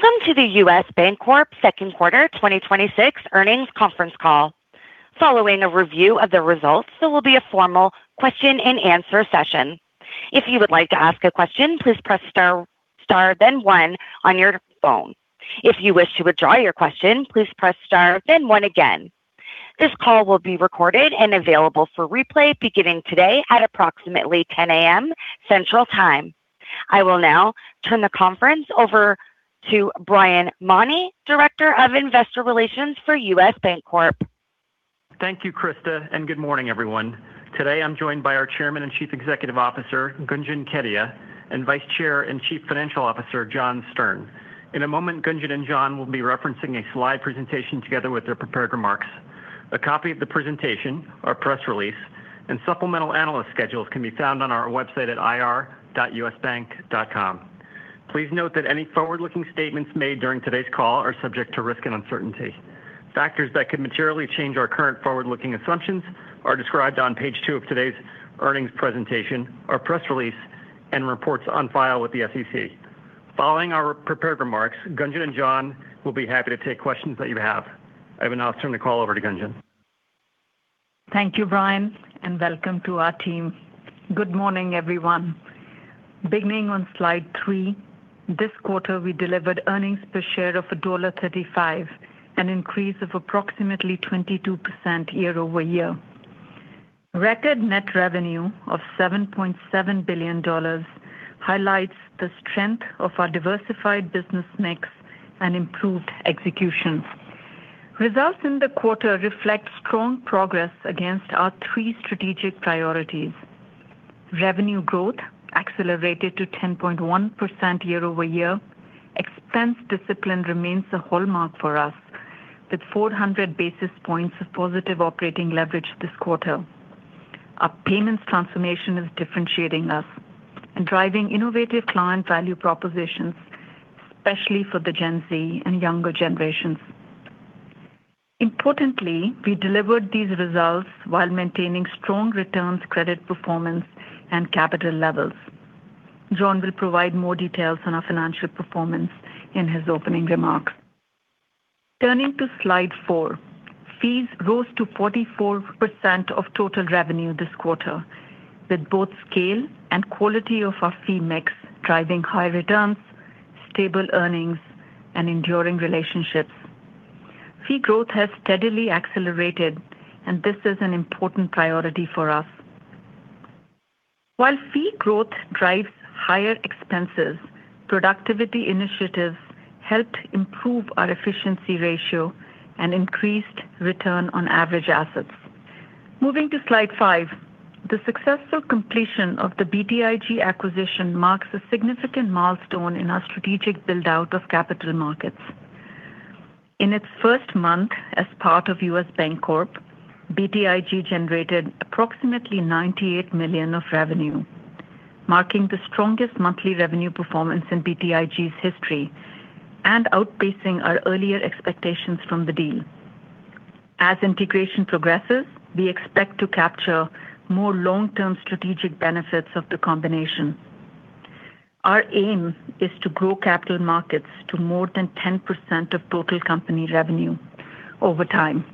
Welcome to the U.S. Bancorp second quarter 2026 earnings conference call. Following a review of the results, there will be a formal question and answer session. If you would like to ask a question, please press star then one on your phone. If you wish to withdraw your question, please press star then one again. This call will be recorded and available for replay beginning today at approximately 10:00 A.M. Central Time. I will now turn the conference over to Brian Mauney, Director of Investor Relations for U.S. Bancorp. Thank you, Krista, good morning, everyone. Today I'm joined by our Chairman and Chief Executive Officer, Gunjan Kedia, and Vice Chair and Chief Financial Officer, John Stern. In a moment, Gunjan and John will be referencing a slide presentation together with their prepared remarks. A copy of the presentation, our press release, and supplemental analyst schedules can be found on our website at ir.usbank.com. Please note that any forward-looking statements made during today's call are subject to risk and uncertainty. Factors that could materially change our current forward-looking assumptions are described on page two of today's earnings presentation, our press release, and reports on file with the SEC. Following our prepared remarks, Gunjan and John will be happy to take questions that you have. I will now turn the call over to Gunjan. Thank you, Brian, and welcome to our team. Good morning, everyone. Beginning on Slide 3, this quarter, we delivered earnings per share of $1.35, an increase of approximately 22% year-over-year. Record net revenue of $7.7 billion highlights the strength of our diversified business mix and improved execution. Results in the quarter reflect strong progress against our three strategic priorities. Revenue growth accelerated to 10.1% year-over-year. Expense discipline remains a hallmark for us, with 400 basis points of positive operating leverage this quarter. Our payments transformation is differentiating us and driving innovative client value propositions, especially for the Gen Z and younger generations. Importantly, we delivered these results while maintaining strong returns, credit performance, and capital levels. John will provide more details on our financial performance in his opening remarks. Turning to Slide 4. Fees rose to 44% of total revenue this quarter, with both scale and quality of our fee mix driving high returns, stable earnings, and enduring relationships. Fee growth has steadily accelerated; this is an important priority for us. While fee growth drives higher expenses, productivity initiatives helped improve our efficiency ratio and increased return on average assets. Moving to Slide 5. The successful completion of the BTIG acquisition marks a significant milestone in our strategic build-out of capital markets. In its first month as part of U.S. Bancorp, BTIG generated approximately $98 million of revenue, marking the strongest monthly revenue performance in BTIG's history and outpacing our earlier expectations from the deal. As integration progresses, we expect to capture more long-term strategic benefits of the combination. Our aim is to grow capital markets to more than 10% of total company revenue over time.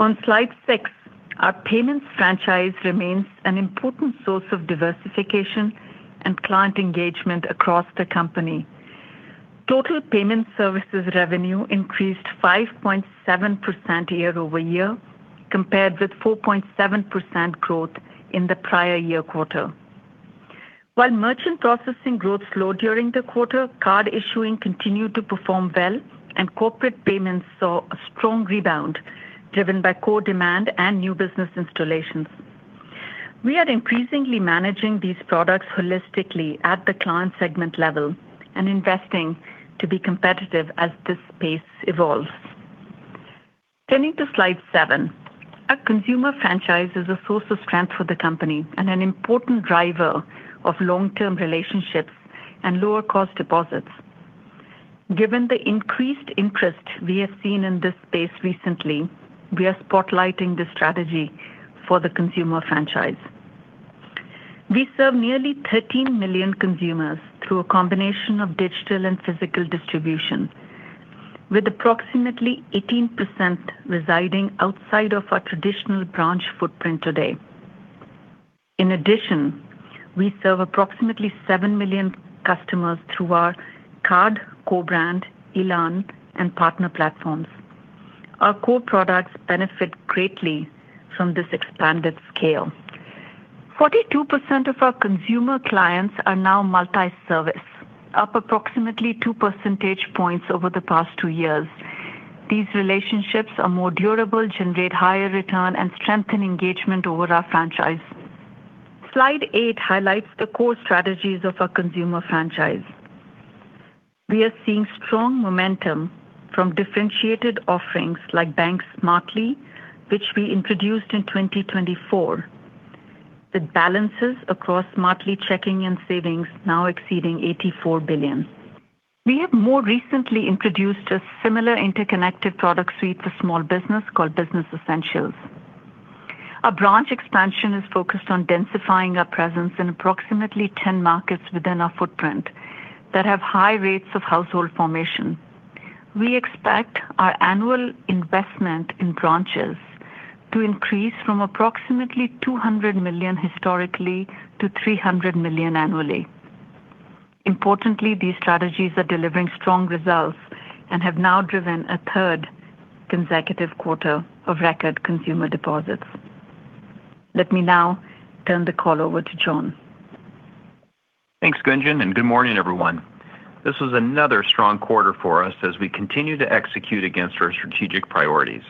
On Slide 6, our payments franchise remains an important source of diversification and client engagement across the company. Total payment services revenue increased 5.7% year-over-year, compared with 4.7% growth in the prior year quarter. While merchant processing growth slowed during the quarter, card issuing continued to perform well, and corporate payments saw a strong rebound driven by core demand and new business installations. We are increasingly managing these products holistically at the client segment level and investing to be competitive as this space evolves. Turning to Slide 7. Our consumer franchise is a source of strength for the company and an important driver of long-term relationships and lower cost deposits. Given the increased interest we have seen in this space recently, we are spotlighting the strategy for the consumer franchise. We serve nearly 13 million consumers through a combination of digital and physical distribution. With approximately 18% residing outside of our traditional branch footprint today. In addition, we serve approximately 7 million customers through our card, co-brand, Elan, and partner platforms. Our core products benefit greatly from this expanded scale. 42% of our consumer clients are now multi-service, up approximately two percentage points over the past two years. These relationships are more durable, generate higher return, and strengthen engagement over our franchise. Slide 8 highlights the core strategies of our consumer franchise. We are seeing strong momentum from differentiated offerings like Bank Smartly, which we introduced in 2024, with balances across Smartly checking and savings now exceeding $84 billion. We have more recently introduced a similar interconnected product suite for small business called Business Essentials. Our branch expansion is focused on densifying our presence in approximately 10 markets within our footprint that have high rates of household formation. We expect our annual investment in branches to increase from approximately $200 million historically to $300 million annually. Importantly, these strategies are delivering strong results and have now driven a third consecutive quarter of record consumer deposits. Let me now turn the call over to John. Thanks, Gunjan, good morning, everyone. This was another strong quarter for us as we continue to execute against our strategic priorities.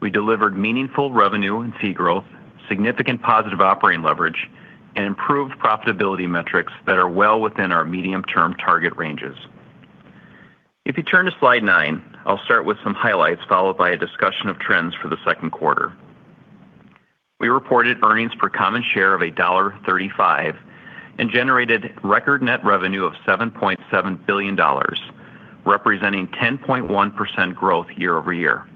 We delivered meaningful revenue and fee growth, significant positive operating leverage, and improved profitability metrics that are well within our medium-term target ranges. If you turn to Slide 9, I'll start with some highlights, followed by a discussion of trends for the second quarter. We reported earnings per common share of $1.35 and generated record net revenue of $7.7 billion, representing 10.1% growth year-over-year.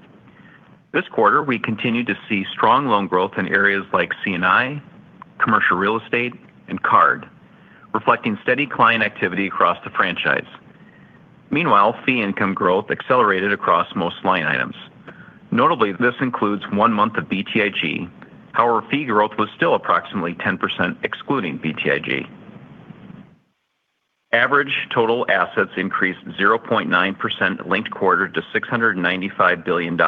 This quarter, we continued to see strong loan growth in areas like C&I, commercial real estate, and card, reflecting steady client activity across the franchise. Meanwhile, fee income growth accelerated across most line items. Notably, this includes one month of BTIG. However, fee growth was still approximately 10% excluding BTIG. Average total assets increased 0.9% linked quarter to $695 billion.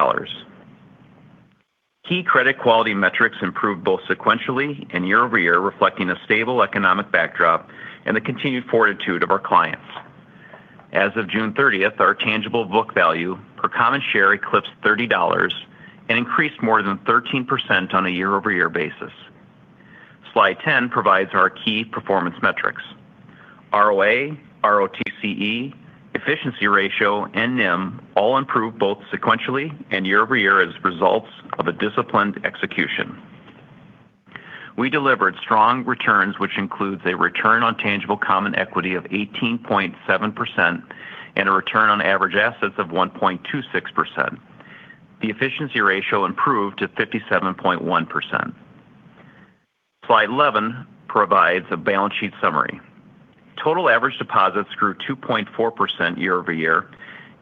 Key credit quality metrics improved both sequentially and year-over-year, reflecting a stable economic backdrop and the continued fortitude of our clients. As of June 30th, our tangible book value per common share eclipsed $30 and increased more than 13% on a year-over-year basis. Slide 10 provides our key performance metrics. ROA, ROTCE, efficiency ratio, and NIM all improved both sequentially and year-over-year as results of a disciplined execution. We delivered strong returns, which includes a return on tangible common equity of 18.7% and a return on average assets of 1.26%. The efficiency ratio improved to 57.1%. Slide 11 provides a balance sheet summary. Total average deposits grew 2.4% year-over-year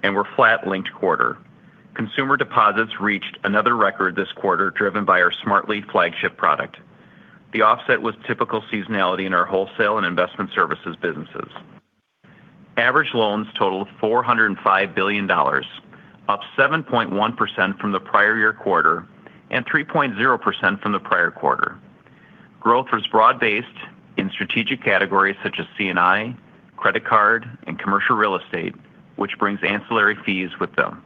and were flat linked quarter. Consumer deposits reached another record this quarter, driven by our Smartly flagship product. The offset was typical seasonality in our wholesale and investment services businesses. Average loans totaled $405 billion, up 7.1% from the prior year quarter and 3.0% from the prior quarter. Growth was broad-based in strategic categories such as C&I, credit card, and commercial real estate, which brings ancillary fees with them.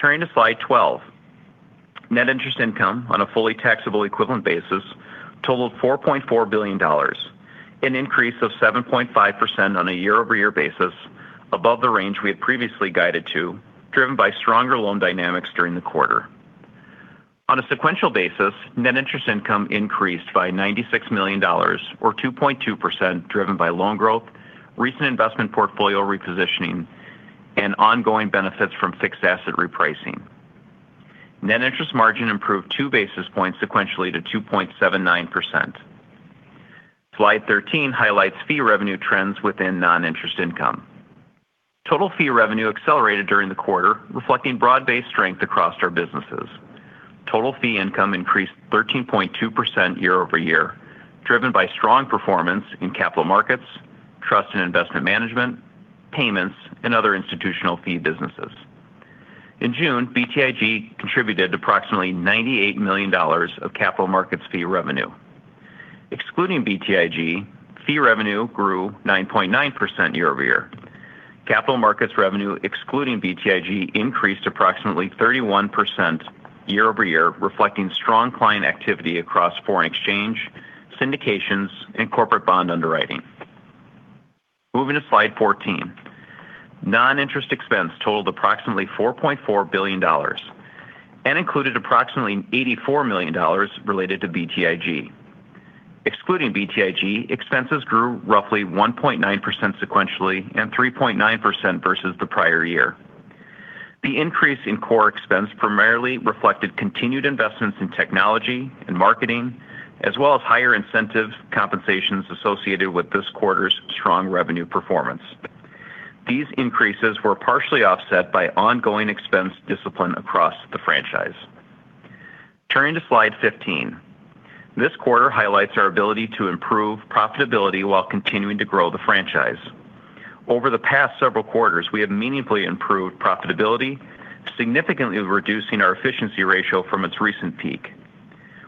Turning to Slide 12. Net interest income on a fully taxable equivalent basis totaled $4.4 billion, an increase of 7.5% on a year-over-year basis above the range we had previously guided to, driven by stronger loan dynamics during the quarter. On a sequential basis, net interest income increased by $96 million, or 2.2%, driven by loan growth, recent investment portfolio repositioning, and ongoing benefits from fixed asset repricing. Net interest margin improved two basis points sequentially to 2.79%. Slide 13 highlights fee revenue trends within non-interest income. Total fee revenue accelerated during the quarter, reflecting broad-based strength across our businesses. Total fee income increased 13.2% year-over-year, driven by strong performance in capital markets, trust and investment management, payments, and other institutional fee businesses. In June, BTIG contributed approximately $98 million of capital markets fee revenue. Excluding BTIG, fee revenue grew 9.9% year-over-year. Capital markets revenue excluding BTIG increased approximately 31% year-over-year, reflecting strong client activity across foreign exchange, syndications, and corporate bond underwriting. Moving to Slide 14. Non-interest expense totaled approximately $4.4 billion and included approximately $84 million related to BTIG. Excluding BTIG, expenses grew roughly 1.9% sequentially and 3.9% versus the prior year. The increase in core expense primarily reflected continued investments in technology and marketing as well as higher incentive compensations associated with this quarter's strong revenue performance. These increases were partially offset by ongoing expense discipline across the franchise. Turning to Slide 15. This quarter highlights our ability to improve profitability while continuing to grow the franchise. Over the past several quarters, we have meaningfully improved profitability, significantly reducing our efficiency ratio from its recent peak.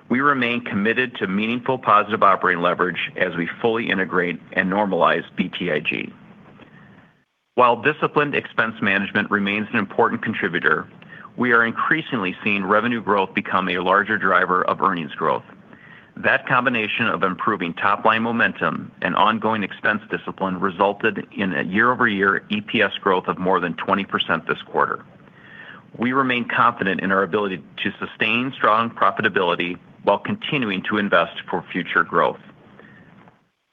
We remain committed to meaningful positive operating leverage as we fully integrate and normalize BTIG. While disciplined expense management remains an important contributor, we are increasingly seeing revenue growth become a larger driver of earnings growth. That combination of improving top-line momentum and ongoing expense discipline resulted in a year-over-year EPS growth of more than 20% this quarter. We remain confident in our ability to sustain strong profitability while continuing to invest for future growth.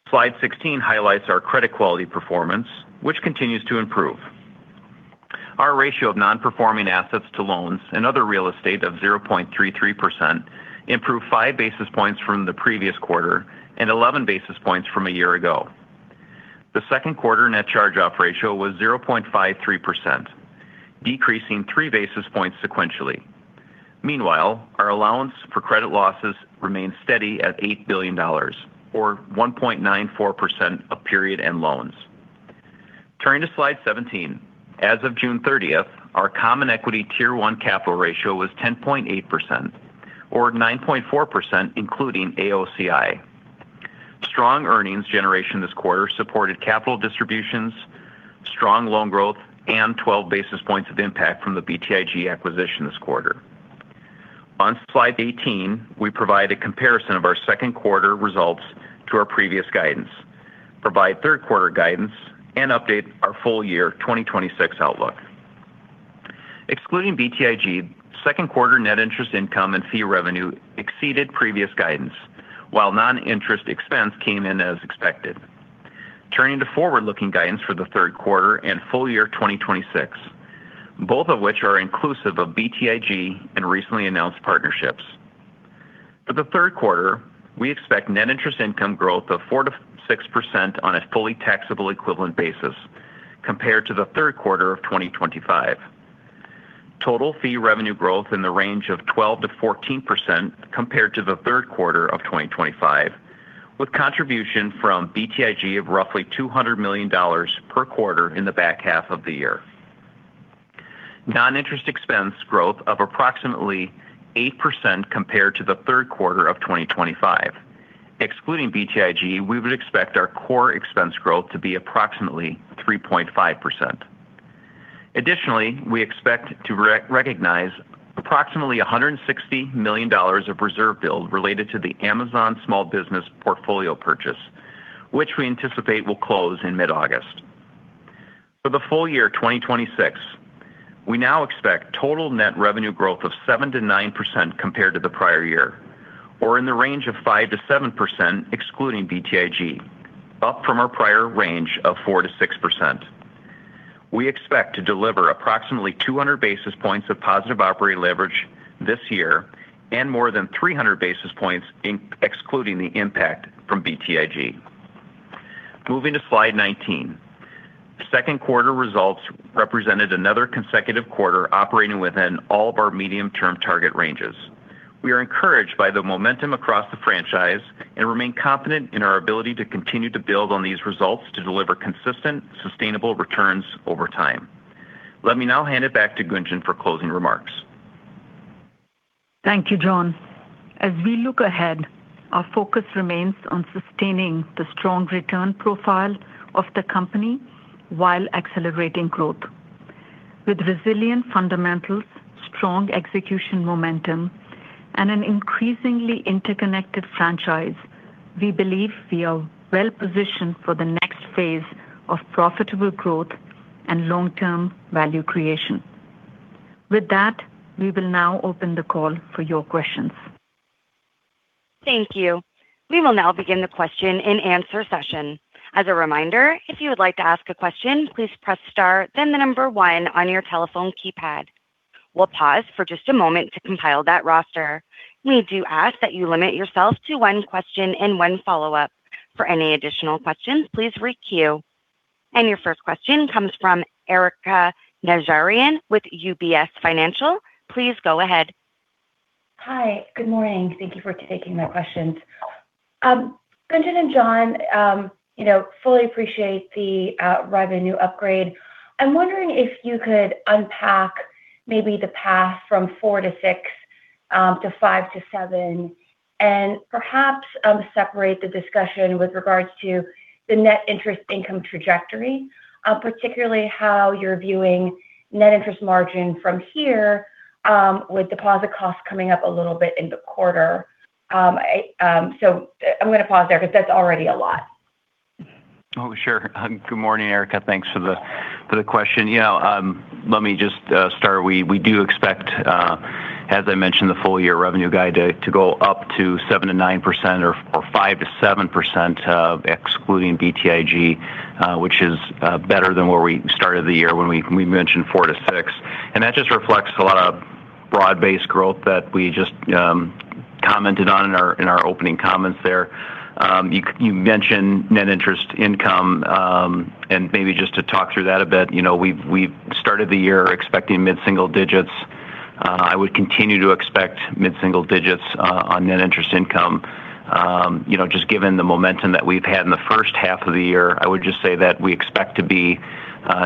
Slide 16 highlights our credit quality performance, which continues to improve. Our ratio of non-performing assets to loans and other real estate of 0.33% improved five basis points from the previous quarter and 11 basis points from a year ago. The second quarter net charge-off ratio was 0.53%, decreasing three basis points sequentially. Meanwhile, our allowance for credit losses remained steady at $8 billion, or 1.94% of period and loans. Turning to Slide 17. As of June 30th, our common equity Tier 1 capital ratio was 10.8%, or 9.4% including AOCI. Strong earnings generation this quarter supported capital distributions, strong loan growth, and 12 basis points of impact from the BTIG acquisition this quarter. On Slide 18, we provide a comparison of our second quarter results to our previous guidance, provide third quarter guidance, and update our full year 2026 outlook. Excluding BTIG, second quarter net interest income and fee revenue exceeded previous guidance, while non-interest expense came in as expected. Turning to forward-looking guidance for the third quarter and full year 2026, both of which are inclusive of BTIG and recently announced partnerships. For the third quarter, we expect net interest income growth of 4%-6% on a fully taxable equivalent basis compared to the third quarter of 2025. Total fee revenue growth in the range of 12%-14% compared to the third quarter of 2025, with contribution from BTIG of roughly $200 million per quarter in the back half of the year. Non-interest expense growth of approximately 8% compared to the third quarter of 2025. Excluding BTIG, we would expect our core expense growth to be approximately 3.5%. Additionally, we expect to recognize approximately $160 million of reserve build related to the Amazon Small Business Portfolio purchase, which we anticipate will close in mid-August. For the full year 2026, we now expect total net revenue growth of 7%-9% compared to the prior year, or in the range of 5%-7% excluding BTIG, up from our prior range of 4%-6%. We expect to deliver approximately 200 basis points of positive operating leverage this year and more than 300 basis points excluding the impact from BTIG. Moving to Slide 19. Second quarter results represented another consecutive quarter operating within all of our medium-term target ranges. We are encouraged by the momentum across the franchise and remain confident in our ability to continue to build on these results to deliver consistent, sustainable returns over time. Let me now hand it back to Gunjan for closing remarks. Thank you, John. As we look ahead, our focus remains on sustaining the strong return profile of the company while accelerating growth. With resilient fundamentals, strong execution momentum, and an increasingly interconnected franchise, we believe we are well-positioned for the next phase of profitable growth and long-term value creation. With that, we will now open the call for your questions. Thank you. We will now begin the question-and-answer session. As a reminder, if you would like to ask a question, please press star, then the number one on your telephone keypad. We will pause for just a moment to compile that roster. We do ask that you limit yourself to one question and one follow-up. For any additional questions, please re-queue. Your first question comes from Erika Najarian with UBS. Hi. Good morning. Thank you for taking my questions. Gunjan and John, fully appreciate the revenue upgrade. I'm wondering if you could unpack maybe the path from 4% to 6%, to 5% to 7%, and perhaps separate the discussion with regards to the net interest income trajectory. Particularly how you're viewing net interest margin from here with deposit costs coming up a little bit in the quarter. I'm going to pause there because that's already a lot. Sure. Good morning, Erika. Thanks for the question. Let me just start. We do expect, as I mentioned, the full year revenue guide to go up to 7% to 9%, or 5% to 7% excluding BTIG, which is better than where we started the year when we mentioned 4% to 6%. That just reflects a lot of broad-based growth that we just commented on in our opening comments there. You mentioned net interest income, and maybe just to talk through that a bit. We started the year expecting mid-single digits. I would continue to expect mid-single digits on net interest income. Just given the momentum that we've had in the first half of the year, I would just say that we expect to be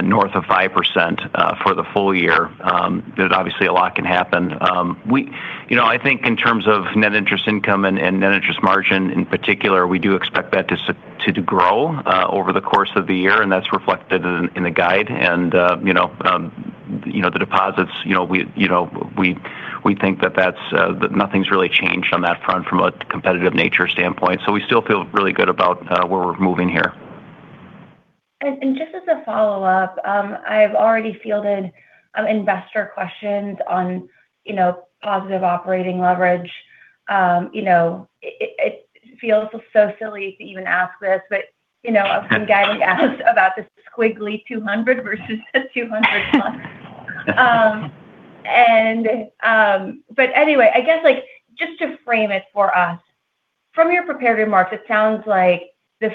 north of 5% for the full year. Obviously, a lot can happen. I think in terms of net interest income and net interest margin in particular, we do expect that to grow over the course of the year, and that's reflected in the guide. The deposits, we think that nothing's really changed on that front from a competitive nature standpoint. We still feel really good about where we're moving here. Just as a follow-up, I've already fielded investor questions on positive operating leverage. It feels so silly to even ask this, but I've been getting asked about the squiggly 200 versus the 200 plus. Anyway, I guess just to frame it for us, from your prepared remarks, it sounds like the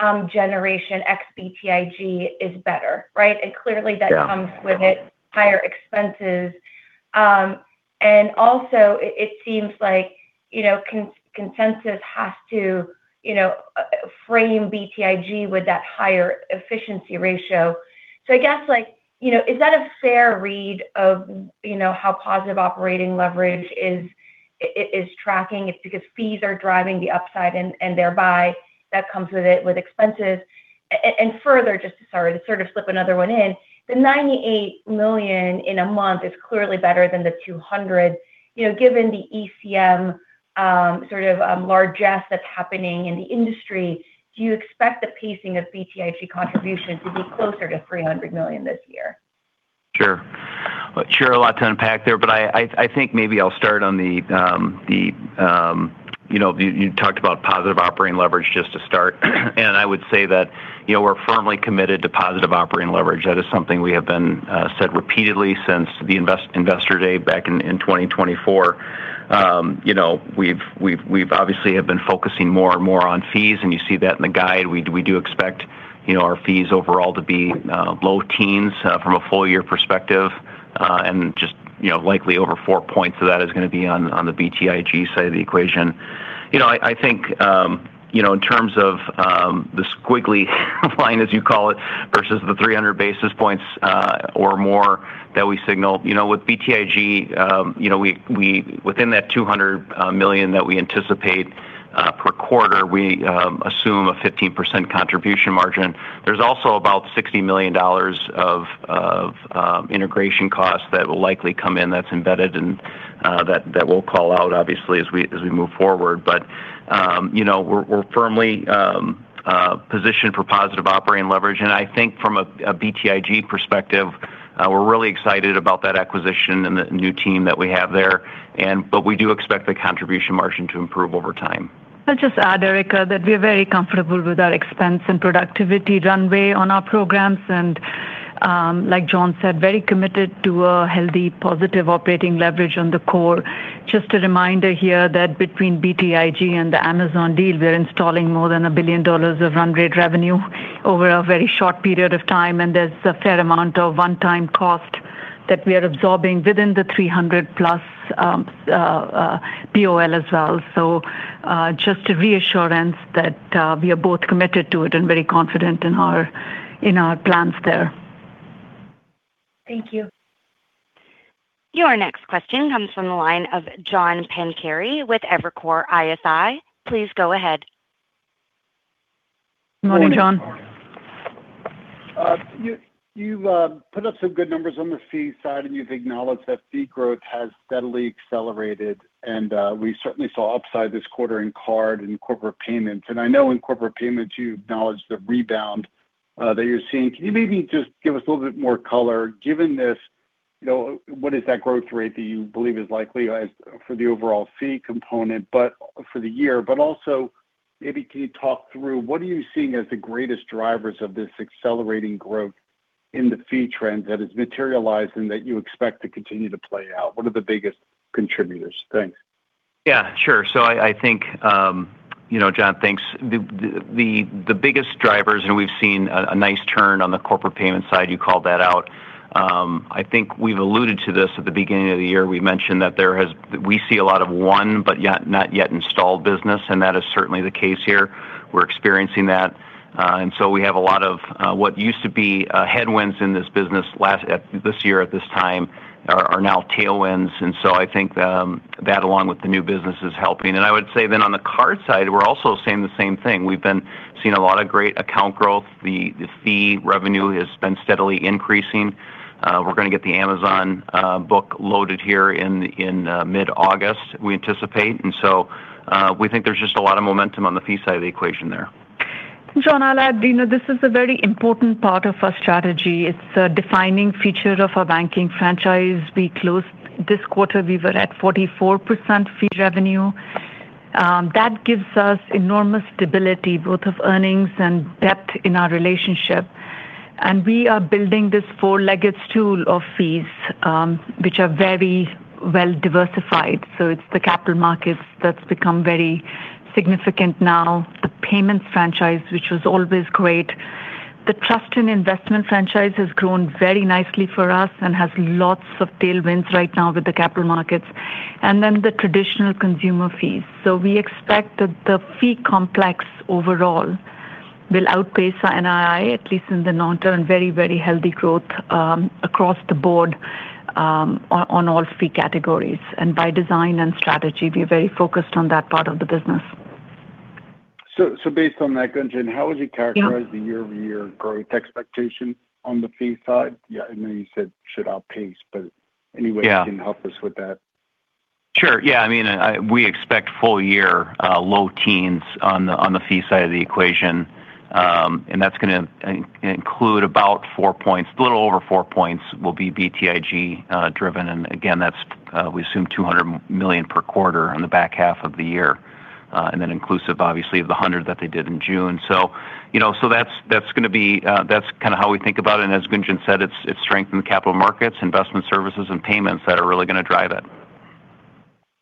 fee generation ex-BTIG is better, right? Clearly that Yeah Comes with it higher expenses. Also, it seems like consensus has to frame BTIG with that higher efficiency ratio. I guess, is that a fair read of how positive operating leverage is tracking? It's because fees are driving the upside and thereby that comes with it with expenses. Further, just sorry to sort of slip another one in, the $98 million in a month is clearly better than the 200. Given the ECM sort of largesse that's happening in the industry, do you expect the pacing of BTIG contributions to be closer to $300 million this year? Sure. A lot to unpack there, I think maybe I'll start on. You talked about positive operating leverage just to start. I would say that we're firmly committed to positive operating leverage. That is something we have said repeatedly since the investor day back in 2024. We've obviously have been focusing more and more on fees, and you see that in the guide. We do expect our fees overall to be low teens from a full year perspective. Just likely over four points of that is going to be on the BTIG side of the equation. I think in terms of the squiggly line, as you call it, versus the 300 basis points or more that we signal. With BTIG, within that $200 million that we anticipate per quarter, we assume a 15% contribution margin. There's also about $60 million of integration costs that will likely come in that's embedded and that we'll call out obviously as we move forward. We're firmly positioned for positive operating leverage. I think from a BTIG perspective, we're really excited about that acquisition and the new team that we have there. We do expect the contribution margin to improve over time. I'll just add, Erika, that we are very comfortable with our expense and productivity runway on our programs. Like John said, very committed to a healthy positive operating leverage on the core. Just a reminder here that between BTIG and the Amazon deal, we are installing more than $1 billion of run rate revenue over a very short period of time, and there's a fair amount of one-time cost that we are absorbing within the 300+ POL as well. Just a reassurance that we are both committed to it and very confident in our plans there. Thank you. Your next question comes from the line of John Pancari with Evercore ISI. Please go ahead. Morning, John. Morning. You've put up some good numbers on the fee side, you've acknowledged that fee growth has steadily accelerated, we certainly saw upside this quarter in card and corporate payments. I know in corporate payments you acknowledged the rebound that you're seeing. Can you maybe just give us a little bit more color? Given this, what is that growth rate that you believe is likely as for the overall fee component for the year? Also, maybe can you talk through what are you seeing as the greatest drivers of this accelerating growth in the fee trend that is materialized and that you expect to continue to play out? What are the biggest contributors? Thanks. Yeah, sure. I think, John, thanks. The biggest drivers, we've seen a nice turn on the corporate payment side, you called that out. I think we've alluded to this at the beginning of the year. We mentioned that we see a lot of won, but not yet installed business, that is certainly the case here. We're experiencing that. We have a lot of what used to be headwinds in this business this year at this time are now tailwinds. I think that along with the new business is helping. I would say on the card side, we're also seeing the same thing. We've been seeing a lot of great account growth. The fee revenue has been steadily increasing. We're going to get the Amazon book loaded here in mid-August, we anticipate. We think there's just a lot of momentum on the fee side of the equation there. John, I'll add, this is a very important part of our strategy. It's a defining feature of our banking franchise. We closed this quarter; we were at 44% fee revenue. That gives us enormous stability, both of earnings and depth in our relationship. We are building this four-legged stool of fees, which are very well diversified. It's the capital markets that's become very significant now, the payments franchise, which was always great. The trust and investment franchise has grown very nicely for us and has lots of tailwinds right now with the capital markets. The traditional consumer fees. We expect that the fee complex overall will outpace NII, at least in the near term, very healthy growth across the board on all fee categories. By design and strategy, we are very focused on that part of the business. Based on that, Gunjan. Yeah How would you characterize the year-over-year growth expectation on the fee side? Yeah, I know you said should outpace, but anyway. Yeah If you can help us with that. Sure. Yeah, we expect full year low teens on the fee side of the equation. That's going to include about four points. A little over four points will be BTIG-driven. Again, we assume $200 million per quarter on the back half of the year. Then inclusive, obviously, of the $100 that they did in June. That's how we think about it. As Gunjan said, it's strength in the capital markets, investment services, and payments that are really going to drive it.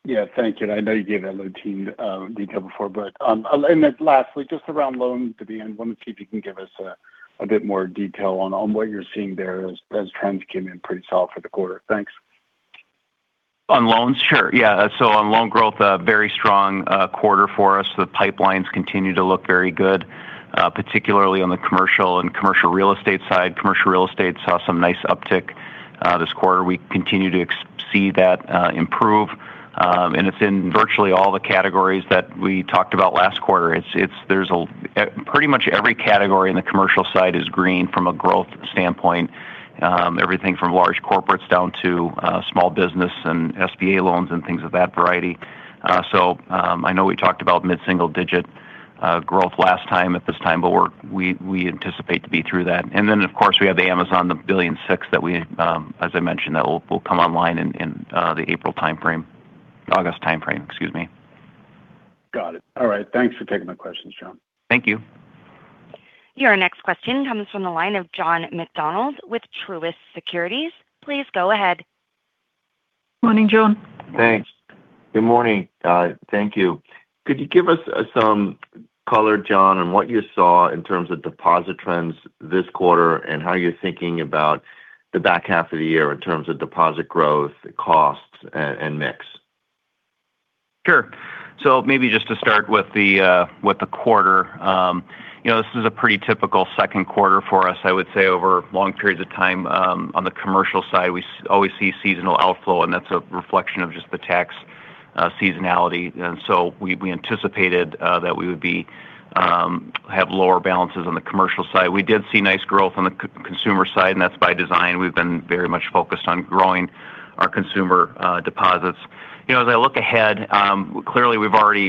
Yeah. Thank you. I know you gave that low teen detail before. Lastly, just around loans at the end. I want to see if you can give us a bit more detail on what you're seeing there as trends came in pretty solid for the quarter. Thanks. On loans? Sure, yeah. On loan growth, a very strong quarter for us. The pipelines continue to look very good, particularly on the commercial and commercial real estate side. Commercial real estate saw some nice uptick this quarter. We continue to see that improve. It's in virtually all the categories that we talked about last quarter. Pretty much every category in the commercial side is green from a growth standpoint. Everything from large corporates down to small business and SBA loans and things of that variety. I know we talked about mid-single digit growth last time at this time. We anticipate to be through that. Of course, we have the Amazon, the $1.6 billion that we, as I mentioned, that will come online in the August timeframe. Excuse me. Got it. All right. Thanks for taking my questions, John. Thank you. Your next question comes from the line of John McDonald with Truist Securities. Please go ahead. Morning, John. Thanks. Good morning. Thank you. Could you give us some color, John, on what you saw in terms of deposit trends this quarter and how you're thinking about the back half of the year in terms of deposit growth, costs, and mix? Sure. Maybe just to start with the quarter. This is a pretty typical second quarter for us. I would say over long periods of time on the commercial side, we always see seasonal outflow, and that's a reflection of just the tax seasonality. We anticipated that we would have lower balances on the commercial side. We did see nice growth on the consumer side, and that's by design. We've been very much focused on growing our consumer deposits. As I look ahead, clearly, we've already,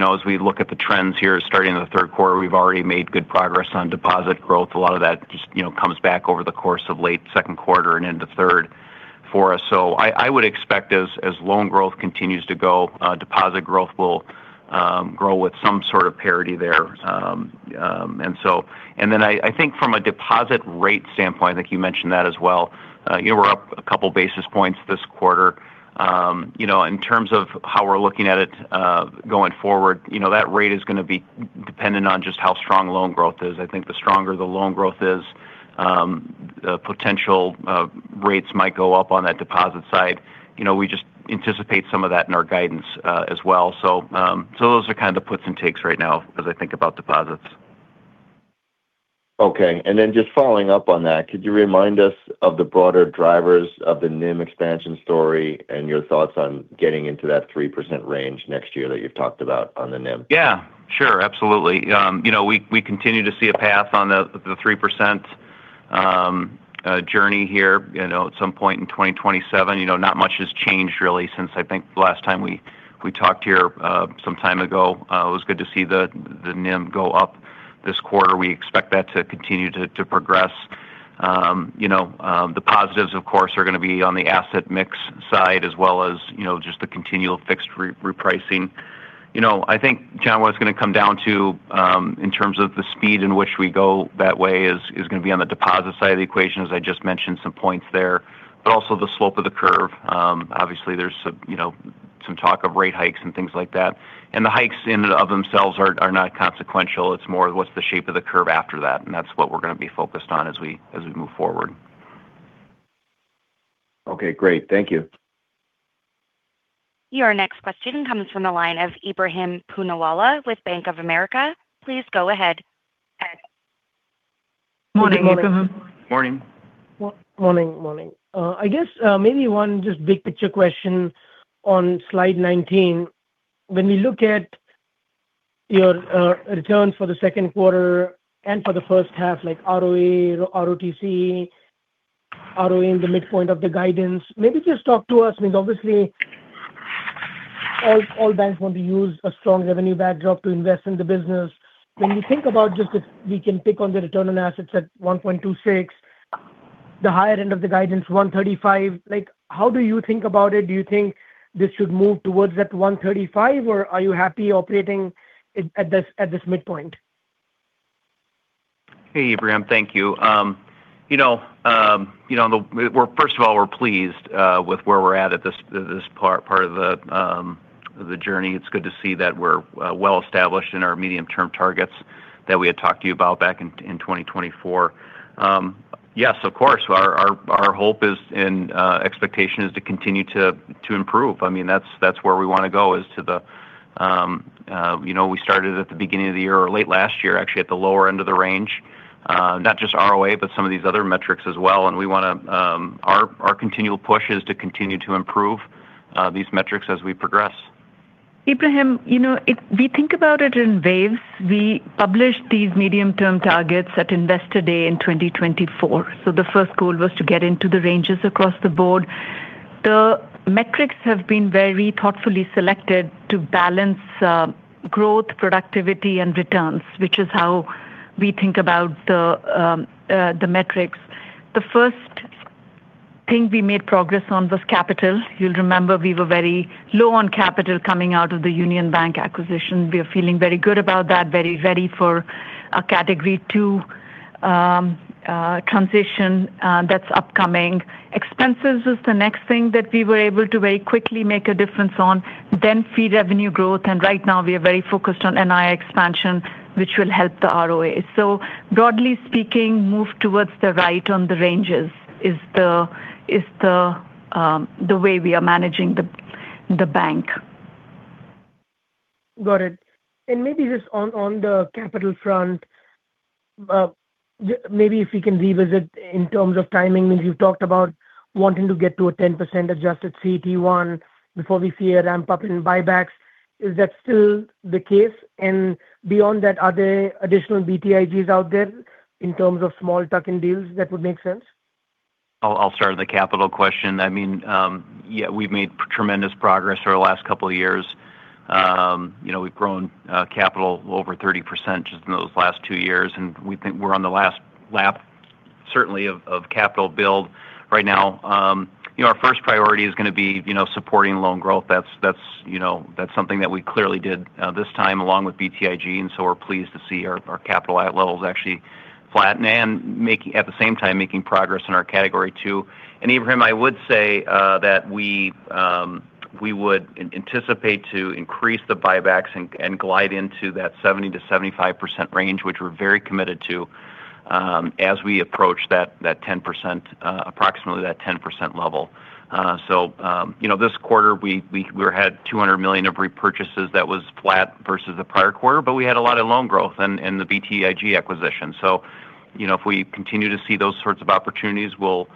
as we look at the trends here, starting in the third quarter, we've already made good progress on deposit growth. A lot of that just comes back over the course of late second quarter and into third for us. I would expect as loan growth continues to go, deposit growth will grow with some sort of parity there. I think from a deposit rate standpoint, I think you mentioned that as well. We're up a couple basis points this quarter. In terms of how we're looking at it going forward, that rate is going to be dependent on just how strong loan growth is. I think the stronger the loan growth is, potential rates might go up on that deposit side. We just anticipate some of that in our guidance as well. Those are kind of the puts and takes right now as I think about deposits. Okay. Just following up on that, could you remind us of the broader drivers of the NIM expansion story and your thoughts on getting into that 3% range next year that you've talked about on the NIM? Yeah. Sure, absolutely. We continue to see a path on the 3% journey here at some point in 2027. Not much has changed really since I think the last time we talked here some time ago. It was good to see the NIM go up this quarter. We expect that to continue to progress. The positives, of course, are going to be on the asset mix side as well as just the continual fixed repricing. I think, John, what it's going to come down to in terms of the speed in which we go that way is going to be on the deposit side of the equation, as I just mentioned some points there. Also, the slope of the curve. Obviously, there's some talk of rate hikes and things like that. The hikes in and of themselves are not consequential. It's more, what's the shape of the curve after that? That's what we're going to be focused on as we move forward. Okay, great. Thank you. Your next question comes from the line of Ebrahim Poonawala with Bank of America. Please go ahead. Morning, Ebrahim. Morning. Morning. I guess maybe one just big picture question on Slide 19. When we look at your returns for the second quarter and for the first half, like ROA, ROTCE, ROA in the midpoint of the guidance, maybe just talk to us. I mean, obviously all banks want to use a strong revenue backdrop to invest in the business. When you think about just if we can pick on the return on assets at 1.26%, the higher end of the guidance, 1.35%, how do you think about it? Do you think this should move towards that 1.35%, or are you happy operating at this midpoint? Hey, Ebrahim. Thank you. First of all, we're pleased with where we're at this part of the journey. It's good to see that we're well established in our medium-term targets that we had talked to you about back in 2024. Yes, of course, our hope is and expectation is to continue to improve. That's where we want to go. We started at the beginning of the year or late last year, actually, at the lower end of the range. Not just ROA, but some of these other metrics as well. Our continual push is to continue to improve these metrics as we progress Ebrahim, we think about it in waves. We published these medium-term targets at Investor Day in 2024. The first goal was to get into the ranges across the board. The metrics have been very thoughtfully selected to balance growth, productivity, and returns, which is how we think about the metrics. The first thing we made progress on was capital. You'll remember we were very low on capital coming out of the Union Bank acquisition. We're feeling very good about that, very ready for a Category II transition that's upcoming. Expenses was the next thing that we were able to very quickly make a difference on, then fee revenue growth, and right now we are very focused on NII expansion, which will help the ROA. Broadly speaking, move towards the right on the ranges is the way we are managing the bank. Got it. Maybe just on the capital front, maybe if we can revisit in terms of timing. You've talked about wanting to get to a 10% adjusted CET1 before we see a ramp-up in buybacks. Is that still the case? Beyond that, are there additional BTIGs out there in terms of small tuck-in deals that would make sense? I'll start on the capital question. We've made tremendous progress over the last couple of years. We've grown capital over 30% just in those last two years, we think we're on the last lap certainly of capital build right now. Our first priority is going to be supporting loan growth. That's something that we clearly did this time along with BTIG, we're pleased to see our capital levels actually flatten and at the same time making progress in our Category II. Ebrahim, I would say that we would anticipate to increase the buybacks and glide into that 70%-75% range, which we're very committed to as we approach approximately that 10% level. This quarter we had $200 million of repurchases that was flat versus the prior quarter, we had a lot of loan growth and the BTIG acquisition. If we continue to see those sorts of opportunities, we'll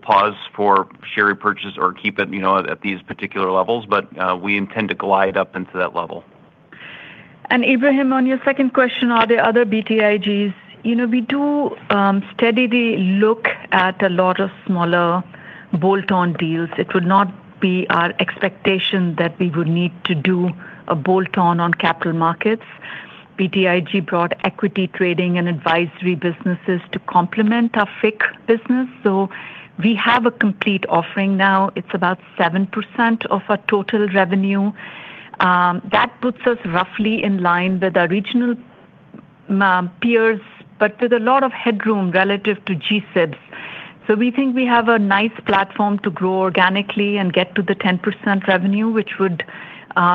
pause for share repurchase or keep it at these particular levels. We intend to glide up into that level. Ebrahim, on your second question, are there other BTIGs? We do steadily look at a lot of smaller bolt-on deals. It would not be our expectation that we would need to do a bolt-on on capital markets. BTIG brought equity trading and advisory businesses to complement our FIC business. We have a complete offering now. It's about 7% of our total revenue. That puts us roughly in line with our regional peers, but with a lot of headroom relative to G-SIBs. We think we have a nice platform to grow organically and get to the 10% revenue, which would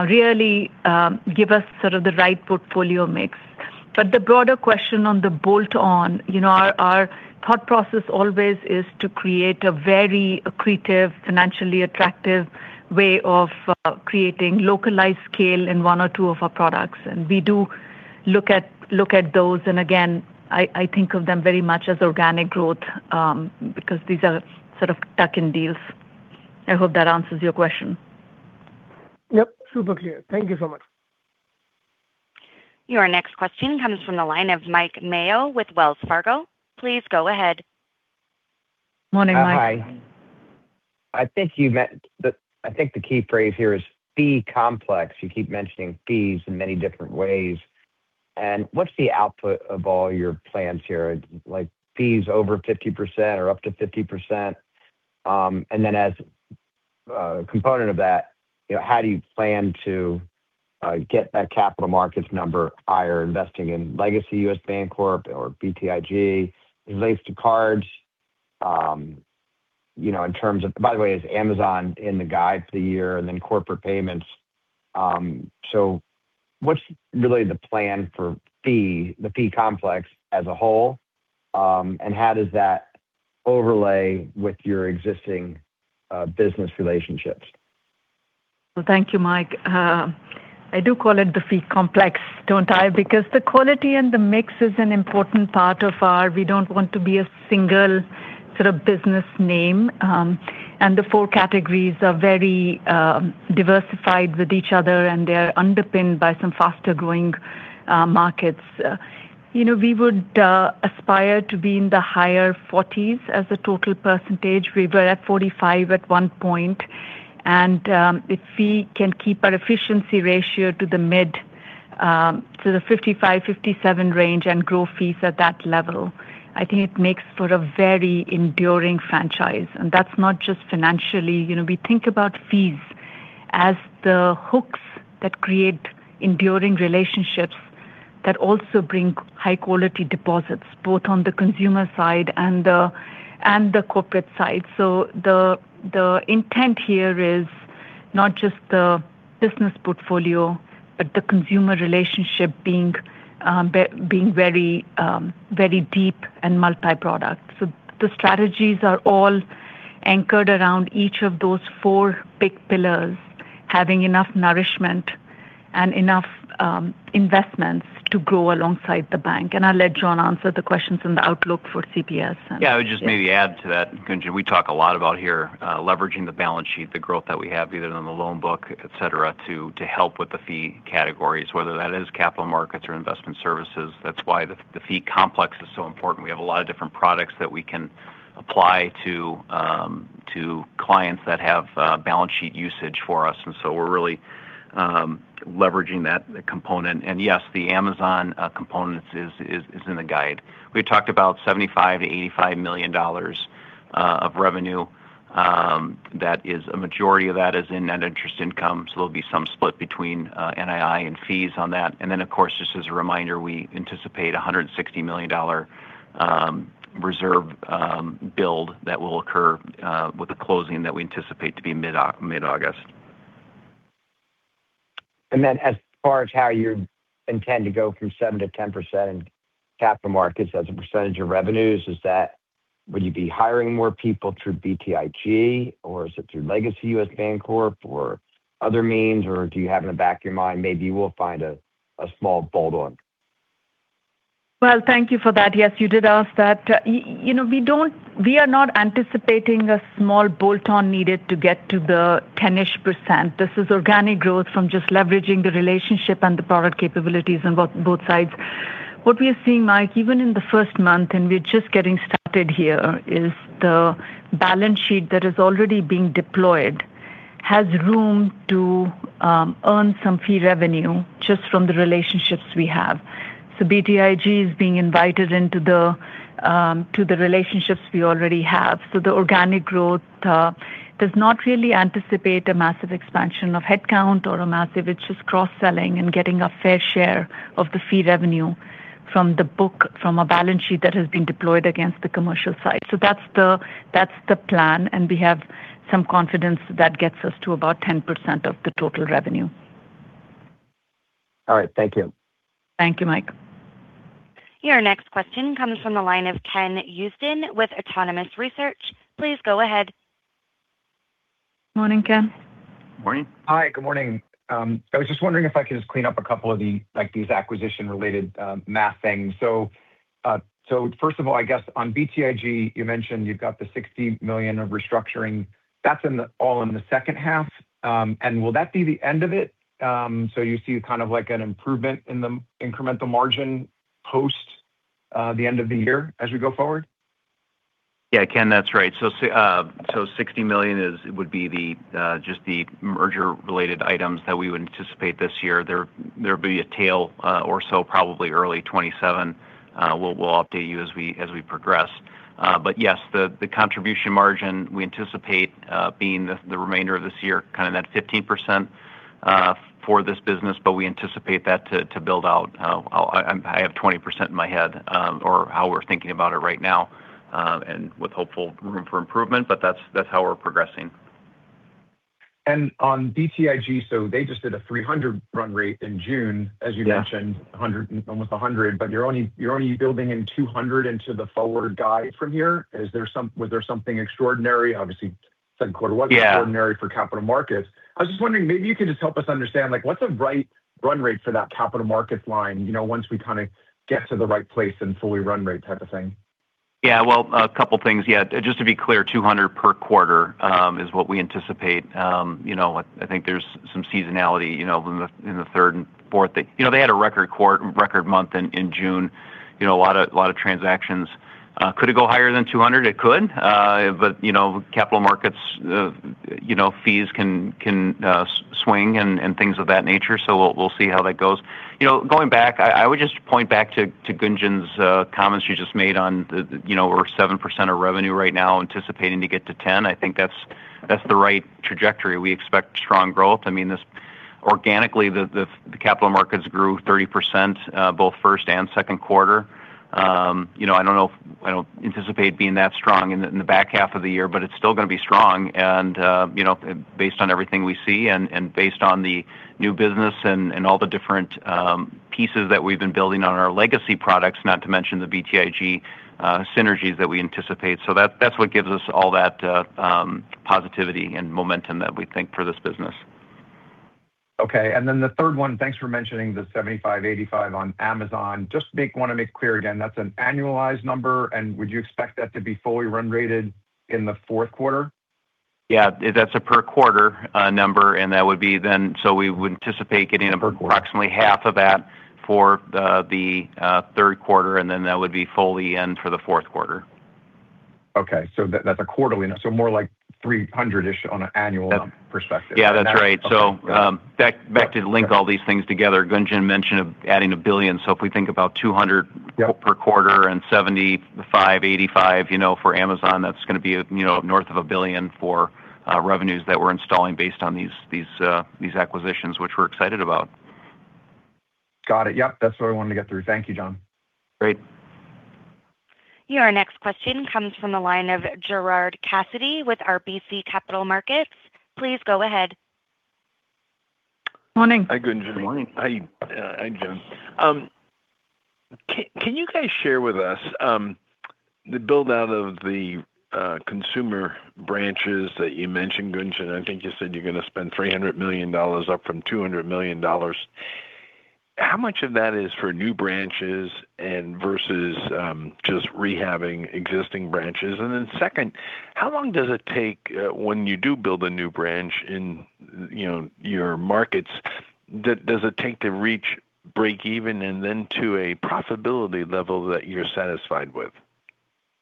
really give us sort of the right portfolio mix. The broader question on the bolt-on, our thought process always is to create a very accretive, financially attractive way of creating localized scale in one or two of our products. We do look at those, and again, I think of them very much as organic growth because these are sort of tuck-in deals. I hope that answers your question. Yep. Super clear. Thank you so much. Your next question comes from the line of Mike Mayo with Wells Fargo. Please go ahead. Morning, Mike. Hi. I think the key phrase here is fee complex. You keep mentioning fees in many different ways. What's the output of all your plans here? Like fees over 50% or up to 50%. Then as a component of that, how do you plan to get that capital markets number higher, investing in legacy U.S. Bancorp or BTIG relates to cards, in terms of by the way, is Amazon in the guide for the year and then corporate payments? What's really the plan for the fee complex as a whole, and how does that overlay with your existing business relationships? Well, thank you, Mike. I do call it the fee complex, don't I? Because the quality and the mix is an important part of our, we don't want to be a single sort of business name. The four categories are very diversified with each other, and they are underpinned by some faster-growing markets. We would aspire to be in the higher 40s as a total percentage. We were at 45 at one point, if we can keep our efficiency ratio to the mid to the 55-57 range and grow fees at that level, I think it makes for a very enduring franchise. That's not just financially. We think about fees as the hooks that create enduring relationships that also bring high-quality deposits, both on the consumer side and the corporate side. The intent here is not just the business portfolio, but the consumer relationship being very deep and multi-product. The strategies are all anchored around each of those four big pillars. Having enough nourishment and enough investments to grow alongside the bank. I'll let John answer the questions in the outlook for CPS. I would just maybe add to that, Gunjan. We talk a lot about here, leveraging the balance sheet, the growth that we have, either in the loan book, et cetera, to help with the fee categories, whether that is capital markets or investment services. That's why the fee complex is so important. We have a lot of different products that we can apply to clients that have balance sheet usage for us. We're really leveraging that component. Yes, the Amazon components is in the guide. We talked about $75 million-$85 million of revenue. A majority of that is in net interest income, so there'll be some split between NII and fees on that. Of course, just as a reminder, we anticipate $160 million reserve build that will occur with the closing that we anticipate to be mid-August. As far as how you intend to go from 7%-10% in capital markets as a percentage of revenues, will you be hiring more people through BTIG, or is it through legacy U.S. Bancorp or other means, or do you have in the back of your mind, maybe you will find a small bolt-on? Thank you for that. Yes, you did ask that. We are not anticipating a small bolt-on needed to get to the 10-ish percent. This is organic growth from just leveraging the relationship and the product capabilities on both sides. What we are seeing, Mike, even in the first month, and we're just getting started here, is the balance sheet that is already being deployed has room to earn some fee revenue just from the relationships we have. BTIG is being invited into the relationships we already have. The organic growth does not really anticipate a massive expansion of headcount. It's just cross-selling and getting a fair share of the fee revenue from the book, from a balance sheet that has been deployed against the commercial side. That's the plan, and we have some confidence that gets us to about 10% of the total revenue. All right. Thank you. Thank you, Mike. Your next question comes from the line of Ken Usdin with Autonomous Research. Please go ahead. Morning, Ken. Morning. Hi, good morning. I was just wondering if I could just clean up a couple of these acquisition-related math things. First of all, I guess on BTIG, you mentioned you've got the $60 million of restructuring. That's all in the second half. Will that be the end of it? You see kind of like an improvement in the incremental margin post the end of the year as we go forward? Yeah, Ken, that's right. $60 million would be just the merger-related items that we would anticipate this year. There'll be a tail or so, probably early 2027. We'll update you as we progress. Yes, the contribution margin we anticipate being the remainder of this year, kind of that 15%- Okay for this business, we anticipate that to build out. I have 20% in my head, or how we're thinking about it right now, with hopeful room for improvement, that's how we're progressing. On BTIG, so they just did a $300 run rate in June. Yeah As you mentioned, almost $100, but you're only building in $200 into the forward guide from here. Was there something extraordinary? Obviously, second quarter. Yeah wasn't extraordinary for capital markets. I was just wondering, maybe you could just help us understand, what's a right run rate for that capital markets line, once we kind of get to the right place and fully run rate type of thing? Yeah. Well, a couple things. Yeah, just to be clear, $200 per quarter. Right is what we anticipate. I think there's some seasonality in the third and fourth. They had a record month in June. A lot of transactions. Could it go higher than 200? It could. Capital markets fees can swing and things of that nature. We'll see how that goes. Going back, I would just point back to Gunjan's comments she just made on, we're 7% of revenue right now, anticipating to get to 10. I think that's the right trajectory. We expect strong growth. Organically, the capital markets grew 30% both first and second quarter. I don't anticipate being that strong in the back half of the year, but it's still going to be strong. Based on everything we see and based on the new business and all the different pieces that we've been building on our legacy products, not to mention the BTIG synergies that we anticipate. That's what gives us all that positivity and momentum that we think for this business. Okay. The third one, thanks for mentioning the $75, $85 on Amazon. Just want to make clear again, that's an annualized number, would you expect that to be fully run rated in the fourth quarter? Yeah. That's a per quarter number, that would be then, we would anticipate getting. Per quarter approximately half of that for the third quarter, and then that would be fully in for the fourth quarter. Okay. That's a quarterly-- More like $300-ish on an annual perspective. Yeah, that's right. Okay. Yeah. Back to link all these things together, Gunjan mentioned of adding $1 billion. If we think about 200- Yep per quarter and $75 million-$85 million for Amazon, that's going to be north of $1 billion for revenues that we're installing based on these acquisitions, which we're excited about. Got it. Yep. That's what I wanted to get through. Thank you, John. Great. Your next question comes from the line of Gerard Cassidy with RBC Capital Markets. Please go ahead. Morning. Hi, Gunjan. Morning. Hi, John. Can you guys share with us the build-out of the consumer branches that you mentioned, Gunjan? I think you said you're going to spend $300 million up from $200 million. How much of that is for new branches and versus just rehabbing existing branches? Then second, how long does it take when you do build a new branch in your markets, does it take to reach breakeven and then to a profitability level that you're satisfied with?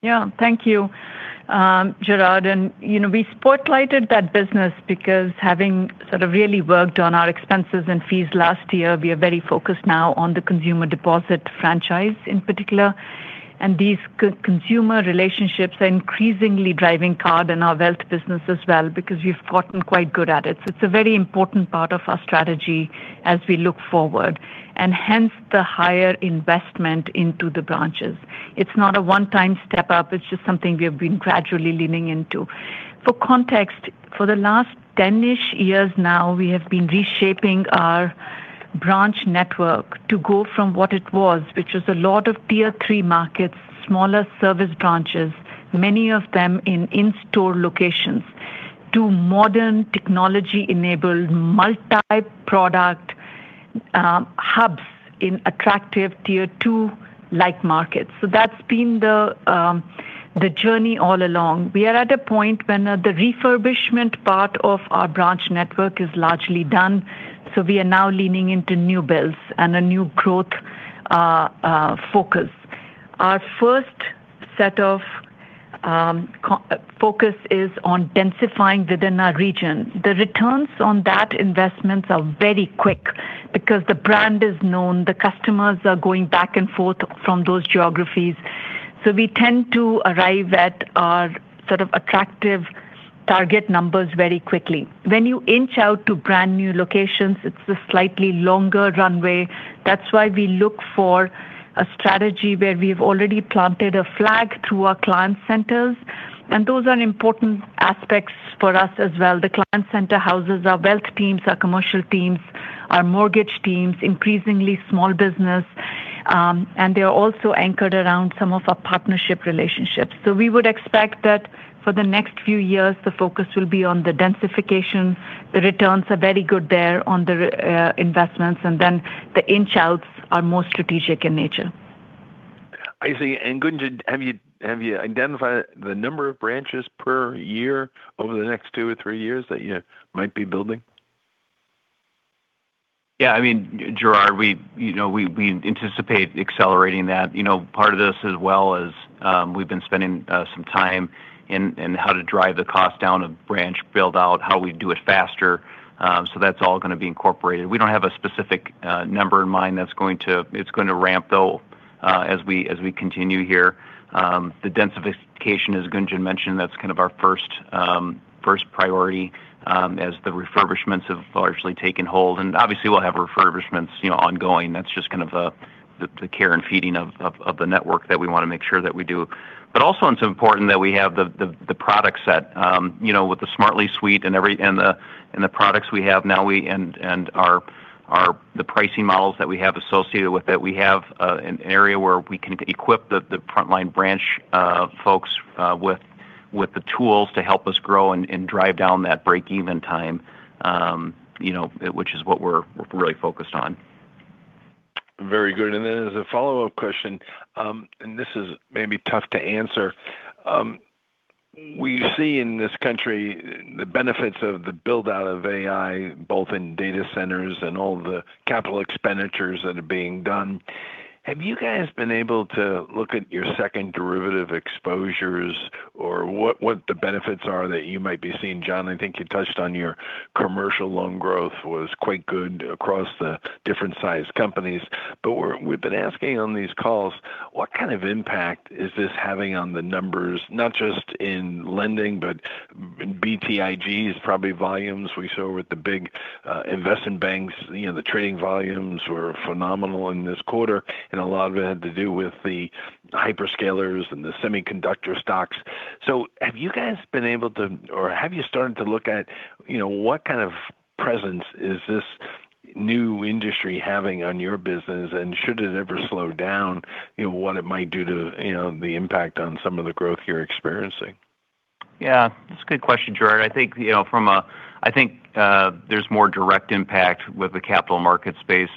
Yeah. Thank you, Gerard. We spotlighted that business because having sort of really worked on our expenses and fees last year, we are very focused now on the consumer deposit franchise in particular. These consumer relationships are increasingly driving card and our wealth business as well because we've gotten quite good at it. It's a very important part of our strategy as we look forward. Hence the higher investment into the branches. It's not a one-time step up. It's just something we have been gradually leaning into. For context, for the last 10-ish years now, we have been reshaping our branch network to go from what it was, which was a lot of Tier 3 markets, smaller service branches, many of them in in-store locations, to modern technology-enabled multi-product hubs in attractive Tier 2-like markets. That's been the journey all along. We are at a point when the refurbishment part of our branch network is largely done, we are now leaning into new builds and a new growth focus. Our first set of focus is on densifying within our region. The returns on that investments are very quick because the brand is known, the customers are going back and forth from those geographies. We tend to arrive at our sort of attractive target numbers very quickly. When you inch out to brand-new locations, it's a slightly longer runway. That's why we look for a strategy where we've already planted a flag through our client centers, and those are important aspects for us as well. The client center houses our wealth teams, our commercial teams, our mortgage teams, increasingly small business, and they are also anchored around some of our partnership relationships. We would expect that for the next few years the focus will be on the densification. The returns are very good there on the investments, then the inch outs are more strategic in nature. I see. Gunjan, have you identified the number of branches per year over the next two or three years that you might be building? Yeah, I mean, Gerard, we anticipate accelerating that. Part of this as well is we've been spending some time in how to drive the cost down of branch build-out, how we do it faster. That's all going to be incorporated. We don't have a specific number in mind. It's going to ramp though as we continue here. The densification, as Gunjan mentioned, that's kind of our first priority as the refurbishments have largely taken hold. Obviously, we'll have refurbishments ongoing. That's just kind of the care and feeding of the network that we want to make sure that we do. Also, it's important that we have the product set with the Smartly suite and the products we have now and the pricing models that we have associated with it. We have an area where we can equip the frontline branch folks with the tools to help us grow and drive down that breakeven time which is what we're really focused on. Very good. As a follow-up question, this may be tough to answer. We see in this country the benefits of the build-out of AI, both in data centers and all the capital expenditures that are being done. Have you guys been able to look at your second derivative exposures or what the benefits are that you might be seeing? John, I think you touched on your commercial loan growth was quite good across the different-sized companies. We've been asking on these calls what kind of impact is this having on the numbers, not just in lending, but BTIG's, probably volumes we saw with the big investment banks. The trading volumes were phenomenal in this quarter, and a lot of it had to do with the hyperscalers and the semiconductor stocks. Have you guys been able to, or have you started to look at what kind of presence is this new industry having on your business? Should it ever slow down, what it might do to the impact on some of the growth you're experiencing? That's a good question, Gerard. I think there's more direct impact with the capital market space.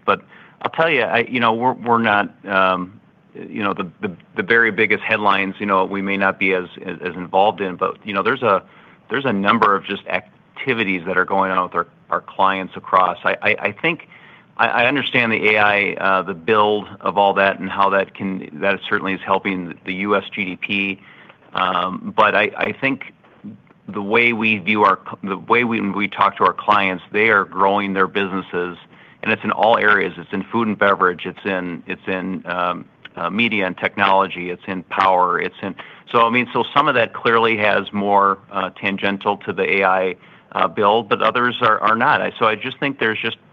I'll tell you, the very biggest headlines we may not be as involved in. There's a number of just activities that are going on with our clients across. I understand the AI, the build of all that, and how that certainly is helping the U.S. GDP. I think the way we talk to our clients, they are growing their businesses, and it's in all areas. It's in food and beverage, it's in media and technology, it's in power. Some of that clearly has more tangential to the AI build, others are not. I just think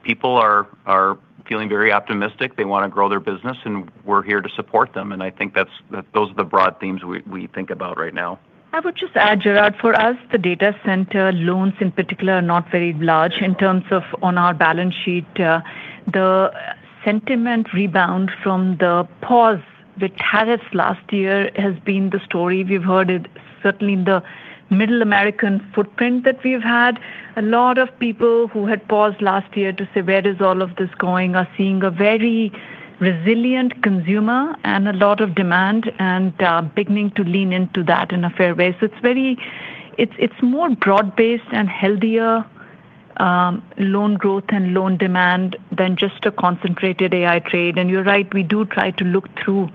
people are feeling very optimistic. They want to grow their business, and we're here to support them. I think those are the broad themes we think about right now. I would just add, Gerard, for us, the data center loans in particular are not very large in terms of on our balance sheet. Sentiment rebound from the pause with tariffs last year has been the story. We've heard it certainly in the Middle American footprint that we've had. A lot of people who had paused last year to say, "Where is all of this going?" are seeing a very resilient consumer and a lot of demand, and are beginning to lean into that in a fair way. It's more broad-based and healthier loan growth and loan demand than just a concentrated AI trade. You're right, we do try to look through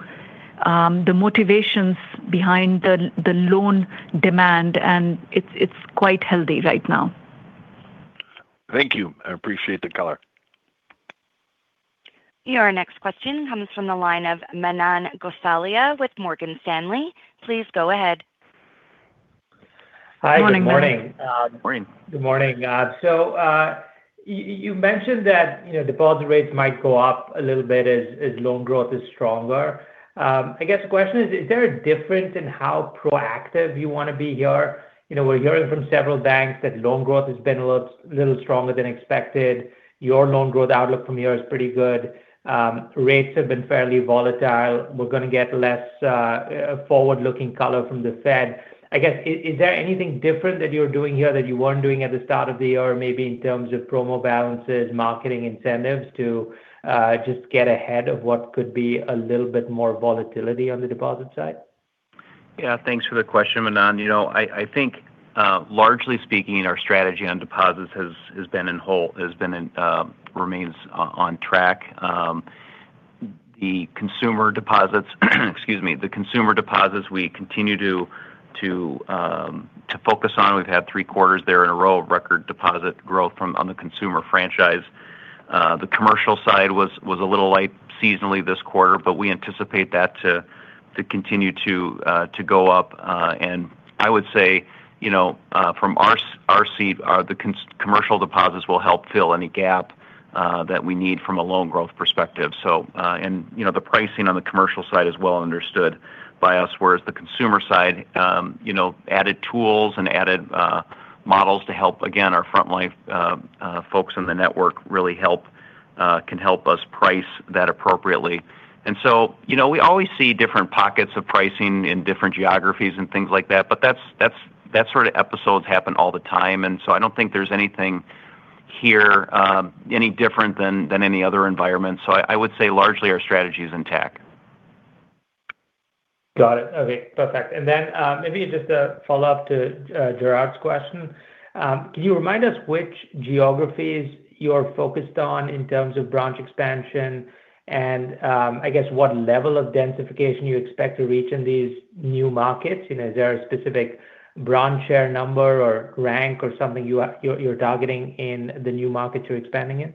the motivations behind the loan demand, and its quite healthy right now. Thank you. I appreciate the color. Your next question comes from the line of Manan Gosalia with Morgan Stanley. Please go ahead. Good morning. Hi. Good morning. Good morning. Good morning. You mentioned that deposit rates might go up a little bit as loan growth is stronger. I guess the question is there a difference in how proactive you want to be here? We're hearing from several banks that loan growth has been a little stronger than expected. Your loan growth outlook from here is pretty good. Rates have been fairly volatile. We're going to get less forward-looking color from the Fed. I guess, is there anything different that you're doing here that you weren't doing at the start of the year, maybe in terms of promo balances, marketing incentives to just get ahead of what could be a little bit more volatility on the deposit side? Yeah. Thanks for the question, Manan. I think largely speaking, our strategy on deposits remains on track. The consumer deposits we continue to focus on. We've had three quarters there in a row of record deposit growth on the consumer franchise. The commercial side was a little light seasonally this quarter, but we anticipate that to continue to go up. I would say from our seat, the commercial deposits will help fill any gap that we need from a loan growth perspective. The pricing on the commercial side is well understood by us, whereas the consumer side added tools and added models to help, again, our front-line folks in the network really can help us price that appropriately. We always see different pockets of pricing in different geographies and things like that. That sort of episodes happen all the time. I don't think there's anything here any different than any other environment. I would say largely our strategy is intact. Got it. Okay, perfect. Maybe just a follow-up to Gerard's question. Can you remind us which geographies you're focused on in terms of branch expansion, and I guess what level of densification you expect to reach in these new markets? Is there a specific branch share number or rank or something you're targeting in the new markets you're expanding in?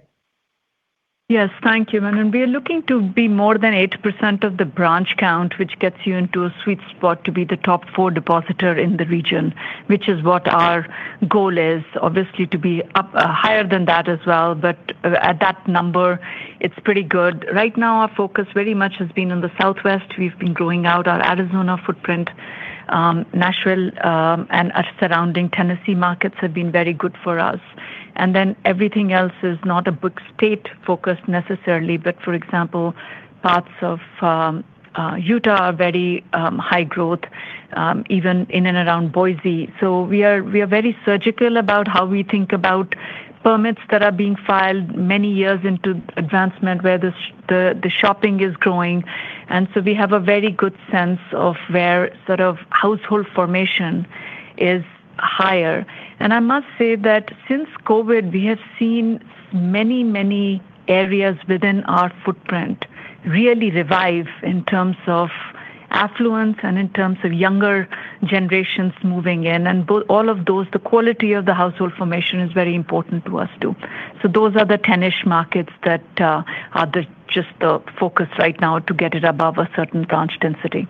Yes. Thank you, Manan. We are looking to be more than 8% of the branch count, which gets you into a sweet spot to be the top 4 depositor in the region, which is what our goal is. Obviously, to be up higher than that as well, but at that number, it's pretty good. Right now, our focus very much has been on the Southwest. We've been growing out our Arizona footprint. Nashville, and our surrounding Tennessee markets have been very good for us. Everything else is not a book state focus necessarily, but for example, parts of Utah are very high growth, even in and around Boise. We are very surgical about how we think about permits that are being filed many years into advancement where the shopping is growing. We have a very good sense of where sort of household formation is higher. I must say that since COVID, we have seen many areas within our footprint really revive in terms of affluence and in terms of younger generations moving in. All of those, the quality of the household formation is very important to us, too. Those are the 10-ish markets that are just the focus right now to get it above a certain branch density.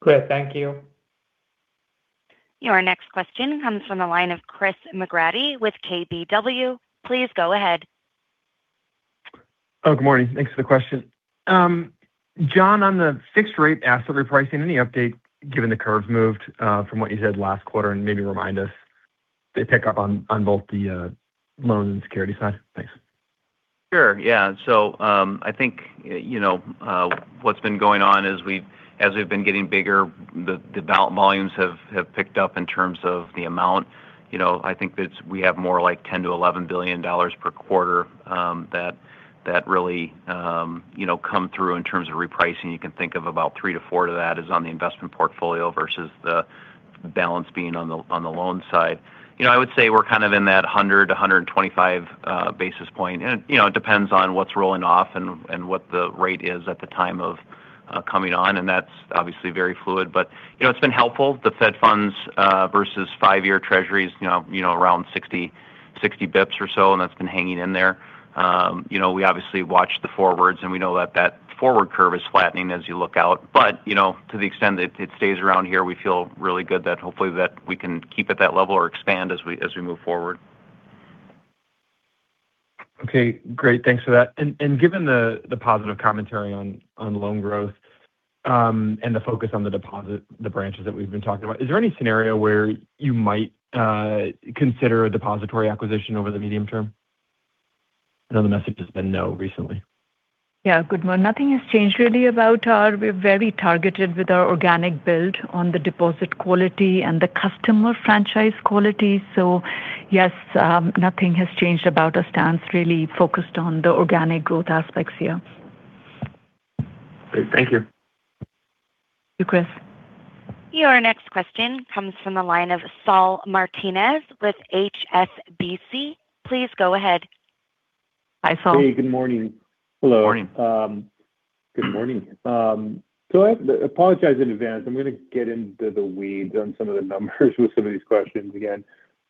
Great. Thank you. Your next question comes from the line of Chris McGratty with KBW. Please go ahead. Good morning. Thanks for the question. John, on the fixed rate asset repricing, maybe remind us the pick-up on both the loans and security side. Thanks. Sure. Yeah. I think what's been going on is as we've been getting bigger, the volumes have picked up in terms of the amount. I think that we have more like $10 billion to $11 billion per quarter that really come through in terms of repricing. You can think of about three to four to that is on the investment portfolio versus the balance being on the loan side. I would say we're kind of in that 100 to 125 basis point. It depends on what's rolling off and what the rate is at the time of coming on, and that's obviously very fluid. It's been helpful. The Fed funds versus five-year Treasuries around 60 basis points or so. That's been hanging in there. We obviously watch the forwards; we know that forward curve is flattening as you look out. To the extent that it stays around here, we feel really good that hopefully we can keep at that level or expand as we move forward. Okay, great. Thanks for that. Given the positive commentary on loan growth The focus on the deposit, the branches that we've been talking about. Is there any scenario where you might consider a depository acquisition over the medium term? I know the message has been no recently. Good one. Nothing has changed really about. We're very targeted with our organic build on the deposit quality and the customer franchise quality. Yes, nothing has changed about our stance really focused on the organic growth aspects here. Great. Thank you. You're welcome. Your next question comes from the line of Saul Martinez with HSBC. Please go ahead. Hi, Saul. Hey, good morning. Hello. Morning. Good morning. I apologize in advance. I'm going to get into the weeds on some of the numbers with some of these questions again.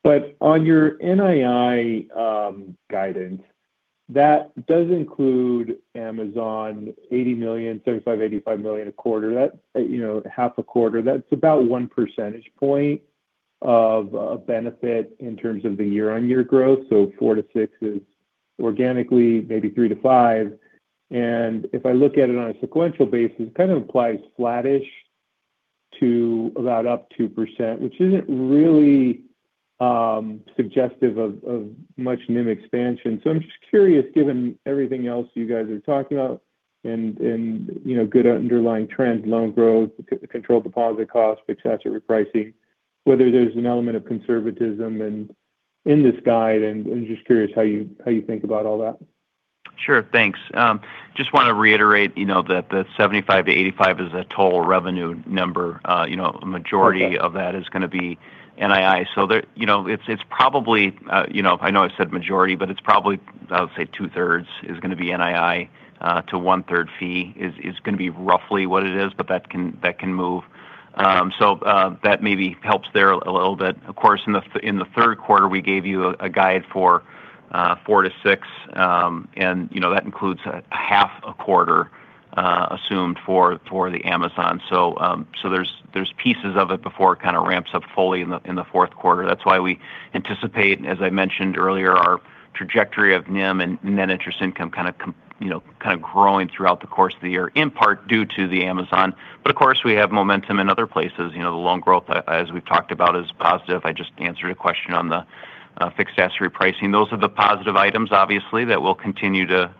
On your NII guidance, that does include Amazon, $80 million, $75 million-$85 million a quarter. That's half a quarter. That's about one percentage point of benefit in terms of the year-over-year growth. Four to six is organically maybe 3%-5%. If I look at it on a sequential basis, kind of implies flattish to about up 2%, which isn't really suggestive of much NIM expansion. I'm just curious, given everything else you guys are talking about and good underlying trends, loan growth, controlled deposit costs, fixed asset repricing, whether there's an element of conservatism in this guide, and I'm just curious how you think about all that? Sure. Thanks. Just want to reiterate that the $75 million-$85 million is a total revenue number. A majority of that is going to be NII. I know I said majority, but it's probably, I would say two-thirds is going to be NII, to one-third fee is going to be roughly what it is, but that can move. Okay. That maybe helps there a little bit. Of course, in the third quarter, we gave you a guide for 4%-6%, and that includes a half a quarter assumed for the Amazon. There's pieces of it before it kind of ramps up fully in the fourth quarter. That's why we anticipate, as I mentioned earlier, our trajectory of NIM and net interest income kind of growing throughout the course of the year, in part due to the Amazon. Of course, we have momentum in other places. The loan growth, as we've talked about, is positive. I just answered a question on the fixed asset repricing. Those are the positive items, obviously, that will continue to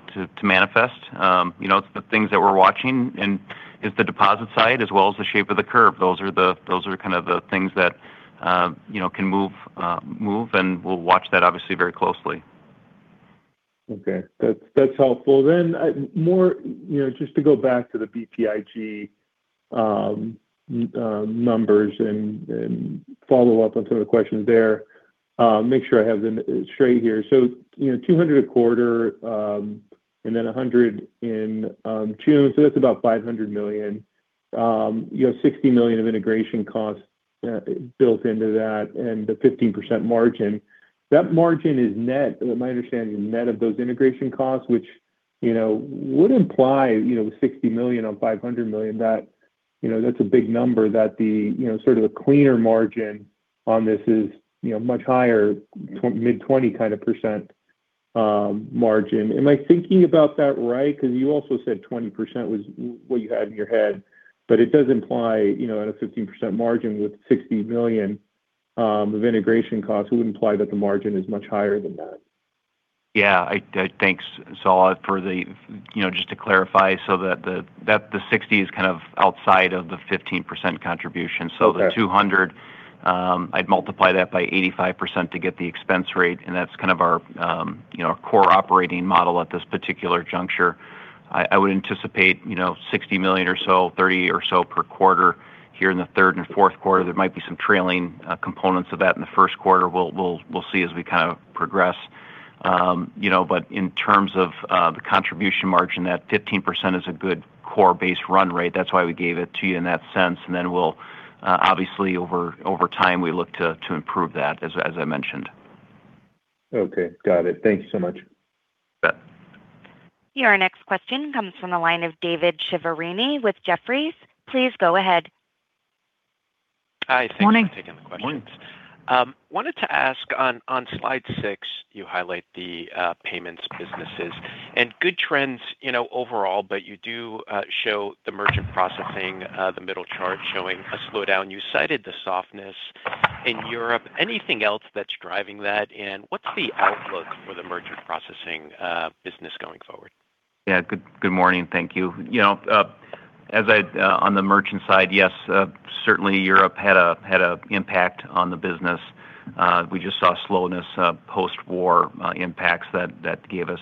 manifest. The things that we're watching is the deposit side as well as the shape of the curve. Those are kind of the things that can move, and we'll watch that obviously very closely. Okay. That's helpful. Just to go back to the BTIG numbers and follow up on some of the questions there. Make sure I have them straight here. $200 a quarter, and then $100 in June, so that's about $500 million. You have $60 million of integration costs built into that and the 15% margin. That margin is net, my understanding, net of those integration costs, which would imply, $60 million on $500 million, that's a big number, that the sort of the cleaner margin on this is much higher, mid-20% kind of margin. Am I thinking about that right? You also said 20% was what you had in your head, but it does imply, at a 15% margin with $60 million of integration costs, it would imply that the margin is much higher than that. Yeah. Thanks, Saul. Just to clarify, the $60 is kind of outside of the 15% contribution. Okay. The $200, I'd multiply that by 85% to get the expense rate, and that's kind of our core operating model at this particular juncture. I would anticipate $60 million or so, $30 or so per quarter here in the third and fourth quarter. There might be some trailing components of that in the first quarter. We'll see as we kind of progress. In terms of the contribution margin, that 15% is a good core base run rate. That's why we gave it to you in that sense. Obviously over time, we look to improve that, as I mentioned. Okay. Got it. Thank you so much. You bet. Your next question comes from the line of David Chiaverini with Jefferies. Please go ahead. Morning. Hi, thanks for taking the questions. Morning. Wanted to ask on Slide 6, you highlight the payments businesses. Good trends overall, you do show the merchant processing, the middle chart showing a slowdown. You cited the softness in Europe. Anything else that's driving that? What's the outlook for the merchant processing business going forward? Yeah. Good morning. Thank you. On the merchant side, yes, certainly Europe had an impact on the business. We just saw slowness, post-war impacts that gave us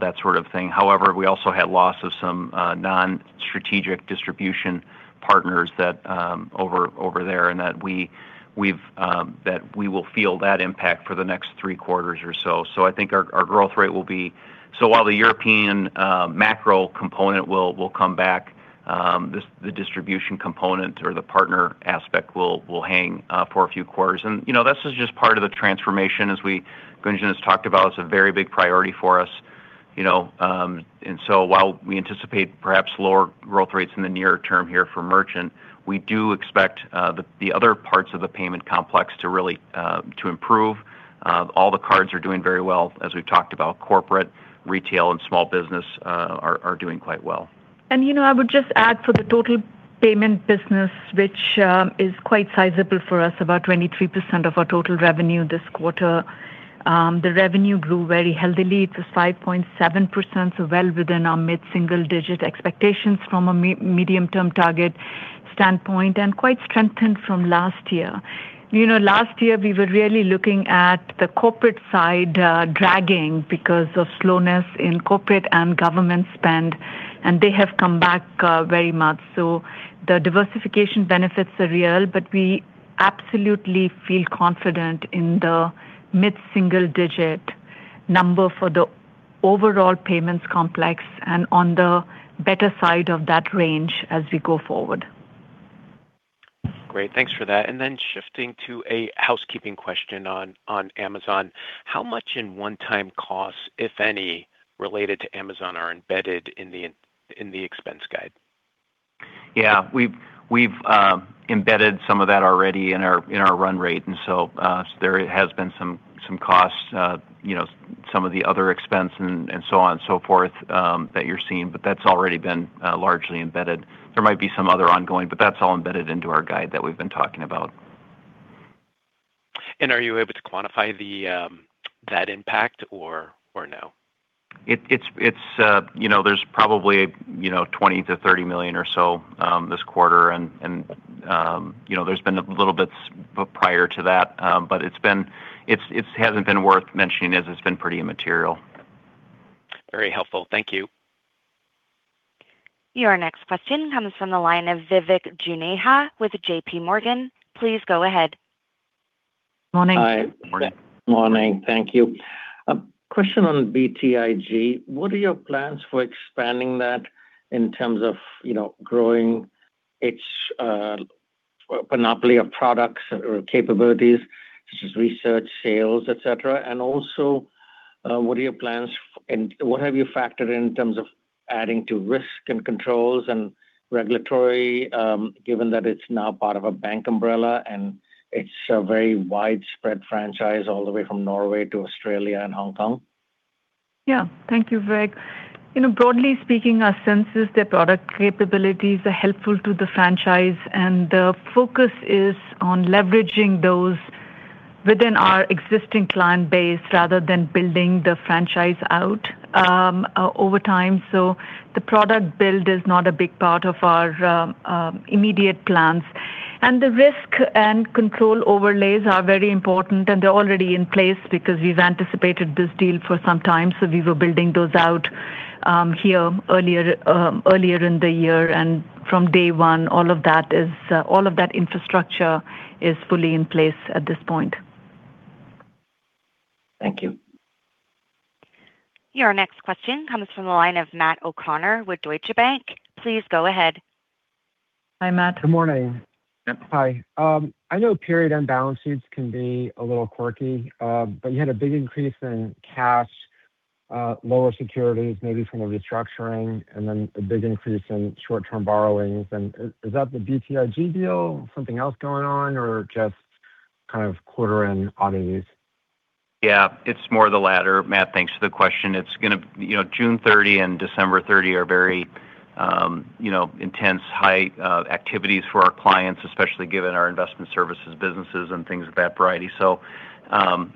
that sort of thing. We also had loss of some non-strategic distribution partners over there; we will feel that impact for the next three quarters or so. While the European macro component will come back, the distribution component or the partner aspect will hang for a few quarters. This is just part of the transformation, as Gunjan has talked about. It's a very big priority for us. While we anticipate perhaps lower growth rates in the near term here for merchant, we do expect the other parts of the payment complex to really improve. All the cards are doing very well. As we've talked about, corporate, retail, and small business are doing quite well. I would just add for the total payment business, which is quite sizable for us, about 23% of our total revenue this quarter. The revenue grew very healthily to 5.7%, well within our mid-single digit expectations from a medium-term target standpoint, quite strengthened from last year. Last year, we were really looking at the corporate side dragging because of slowness in corporate and government spend, they have come back very much. The diversification benefits are real, we absolutely feel confident in the mid-single digit number for the overall payments complex, on the better side of that range as we go forward. Great. Thanks for that. Shifting to a housekeeping question on Amazon. How much in one-time costs, if any, related to Amazon are embedded in the expense guide? Yeah. We've embedded some of that already in our run rate, and so there has been some costs, some of the other expense and so on and so forth that you're seeing, but that's already been largely embedded. There might be some other ongoing, but that's all embedded into our guide that we've been talking about. Are you able to quantify that impact or no? There's probably $20 million-$30 million or so this quarter, and there's been a little bit prior to that. It hasn't been worth mentioning as it's been pretty immaterial. Very helpful. Thank you. Your next question comes from the line of Vivek Juneja with J.P. Morgan. Please go ahead. Morning. Hi. Morning. Morning. Thank you. A question on BTIG. What are your plans for expanding that in terms of growing its monopoly of products or capabilities, such as research, sales, et cetera? Also, what are your plans and what have you factored in in terms of adding to risk and controls and regulatory, given that it's now part of a bank umbrella and it's a very widespread franchise all the way from Norway to Australia and Hong Kong? Yeah. Thank you, Vivek. Broadly speaking, our sense is their product capabilities are helpful to the franchise, and the focus is on leveraging those within our existing client base rather than building the franchise out over time. The product build is not a big part of our immediate plans. The risk and control overlays are very important, and they're already in place because we've anticipated this deal for some time. We were building those out here earlier in the year, and from day one, all of that infrastructure is fully in place at this point. Thank you. Your next question comes from the line of Matt O'Connor with Deutsche Bank. Please go ahead. Hi, Matt. Good morning. Yep. Hi. I know period-end balance sheets can be a little quirky, but you had a big increase in cash, lower securities maybe from the restructuring, and then a big increase in short-term borrowings. Is that the BTIG deal? Something else going on? Just kind of quarter-end oddities? Yeah. It's more the latter, Matt. Thanks for the question. June 30 and December 30 are very intense, heightened activities for our clients, especially given our investment services businesses and things of that variety. While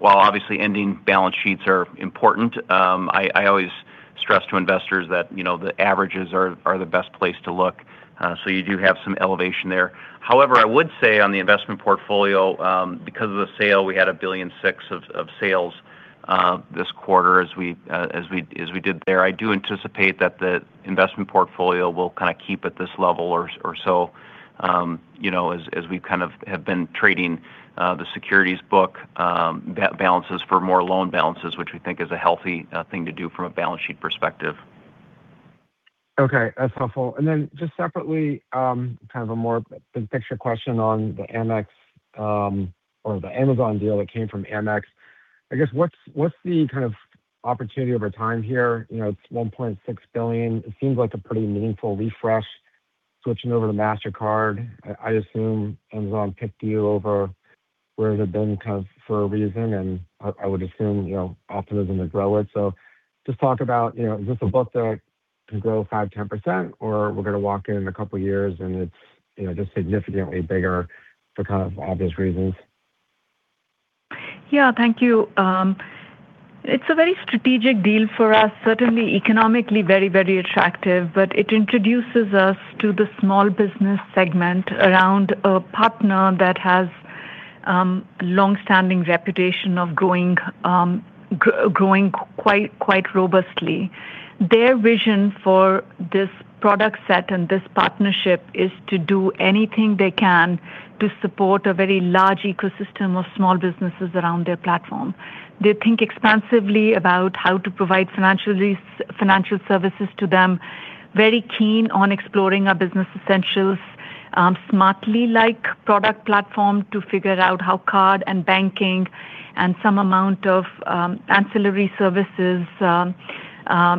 obviously ending balance sheets are important, I always stress to investors that the averages are the best place to look. You do have some elevation there. However, I would say on the investment portfolio because of the sale, we had $1.6 billion of sales this quarter as we did there. I do anticipate that the investment portfolio will kind of keep at this level or so as we kind of have been trading the securities book balances for more loan balances, which we think is a healthy thing to do from a balance sheet perspective. Okay. That's helpful. Then just separately, kind of a more big picture question on the Amex or the Amazon deal that came from Amex. I guess what's the kind of opportunity over time here? It's $1.6 billion. It seems like a pretty meaningful refresh switching over to Mastercard. I assume Amazon picked you over where they've been kind of for a reason, and I would assume optimism to grow it. Just talk about, is this a book that can grow 5%, 10%, or we're going to walk in in a couple of years and it's just significantly bigger for kind of obvious reasons? Yeah. Thank you. It's a very strategic deal for us. Certainly, economically very, very attractive, but it introduces us to the small business segment around a partner that has a long-standing reputation of growing quite robustly. Their vision for this product set and this partnership is to do anything they can to support a very large ecosystem of small businesses around their platform. They think expansively about how to provide financial services to them, very keen on exploring our Business Essentials, Smartly-like product platform to figure out how card and banking and some amount of ancillary services,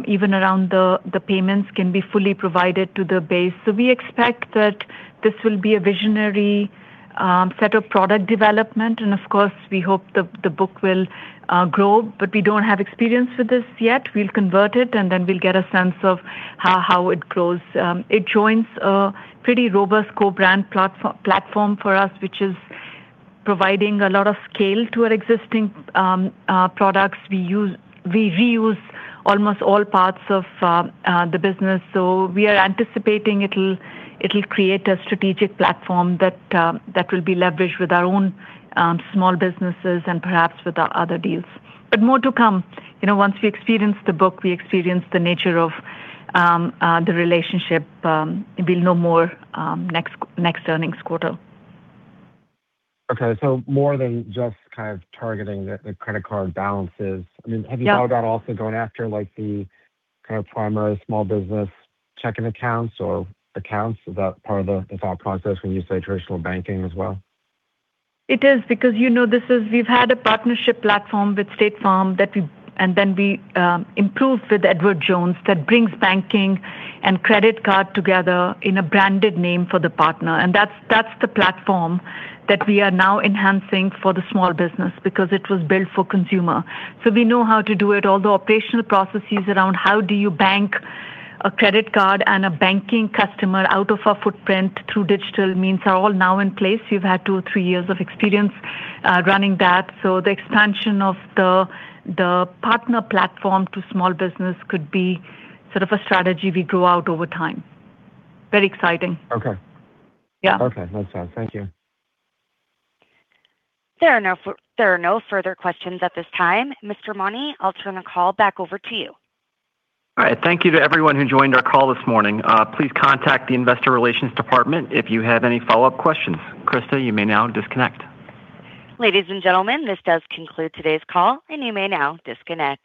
even around the payments, can be fully provided to the base. We expect that this will be a visionary set of product development. Of course, we hope the book will grow. We don't have experience with this yet. We'll convert it, then we'll get a sense of how it grows. It joins a pretty robust co-brand platform for us, which is providing a lot of scale to our existing products. We reuse almost all parts of the business. We are anticipating it'll create a strategic platform that will be leveraged with our own small businesses and perhaps with our other deals. More to come. Once we experience the book, we experience the nature of the relationship, we'll know more next earnings quarter. Okay. More than just kind of targeting the credit card balances. Yeah. I mean, have you thought about also going after the kind of primary small business checking accounts or accounts? Is that part of the thought process when you say traditional banking as well? It is because we've had a partnership platform with State Farm, then we improved with Edward Jones, that brings banking and credit card together in a branded name for the partner. That's the platform that we are now enhancing for the small business because it was built for consumer. We know how to do it. All the operational processes around how do you bank a credit card and a banking customer out of a footprint through digital means are all now in place. We've had two or three years of experience running that. The expansion of the partner platform to small business could be sort of a strategy we grow out over time. Very exciting. Okay. Yeah. Okay. Makes sense. Thank you. There are no further questions at this time. Mr. Mauney, I'll turn the call back over to you. All right. Thank you to everyone who joined our call this morning. Please contact the investor relations department if you have any follow-up questions. Krista, you may now disconnect. Ladies and gentlemen, this does conclude today's call. You may now disconnect.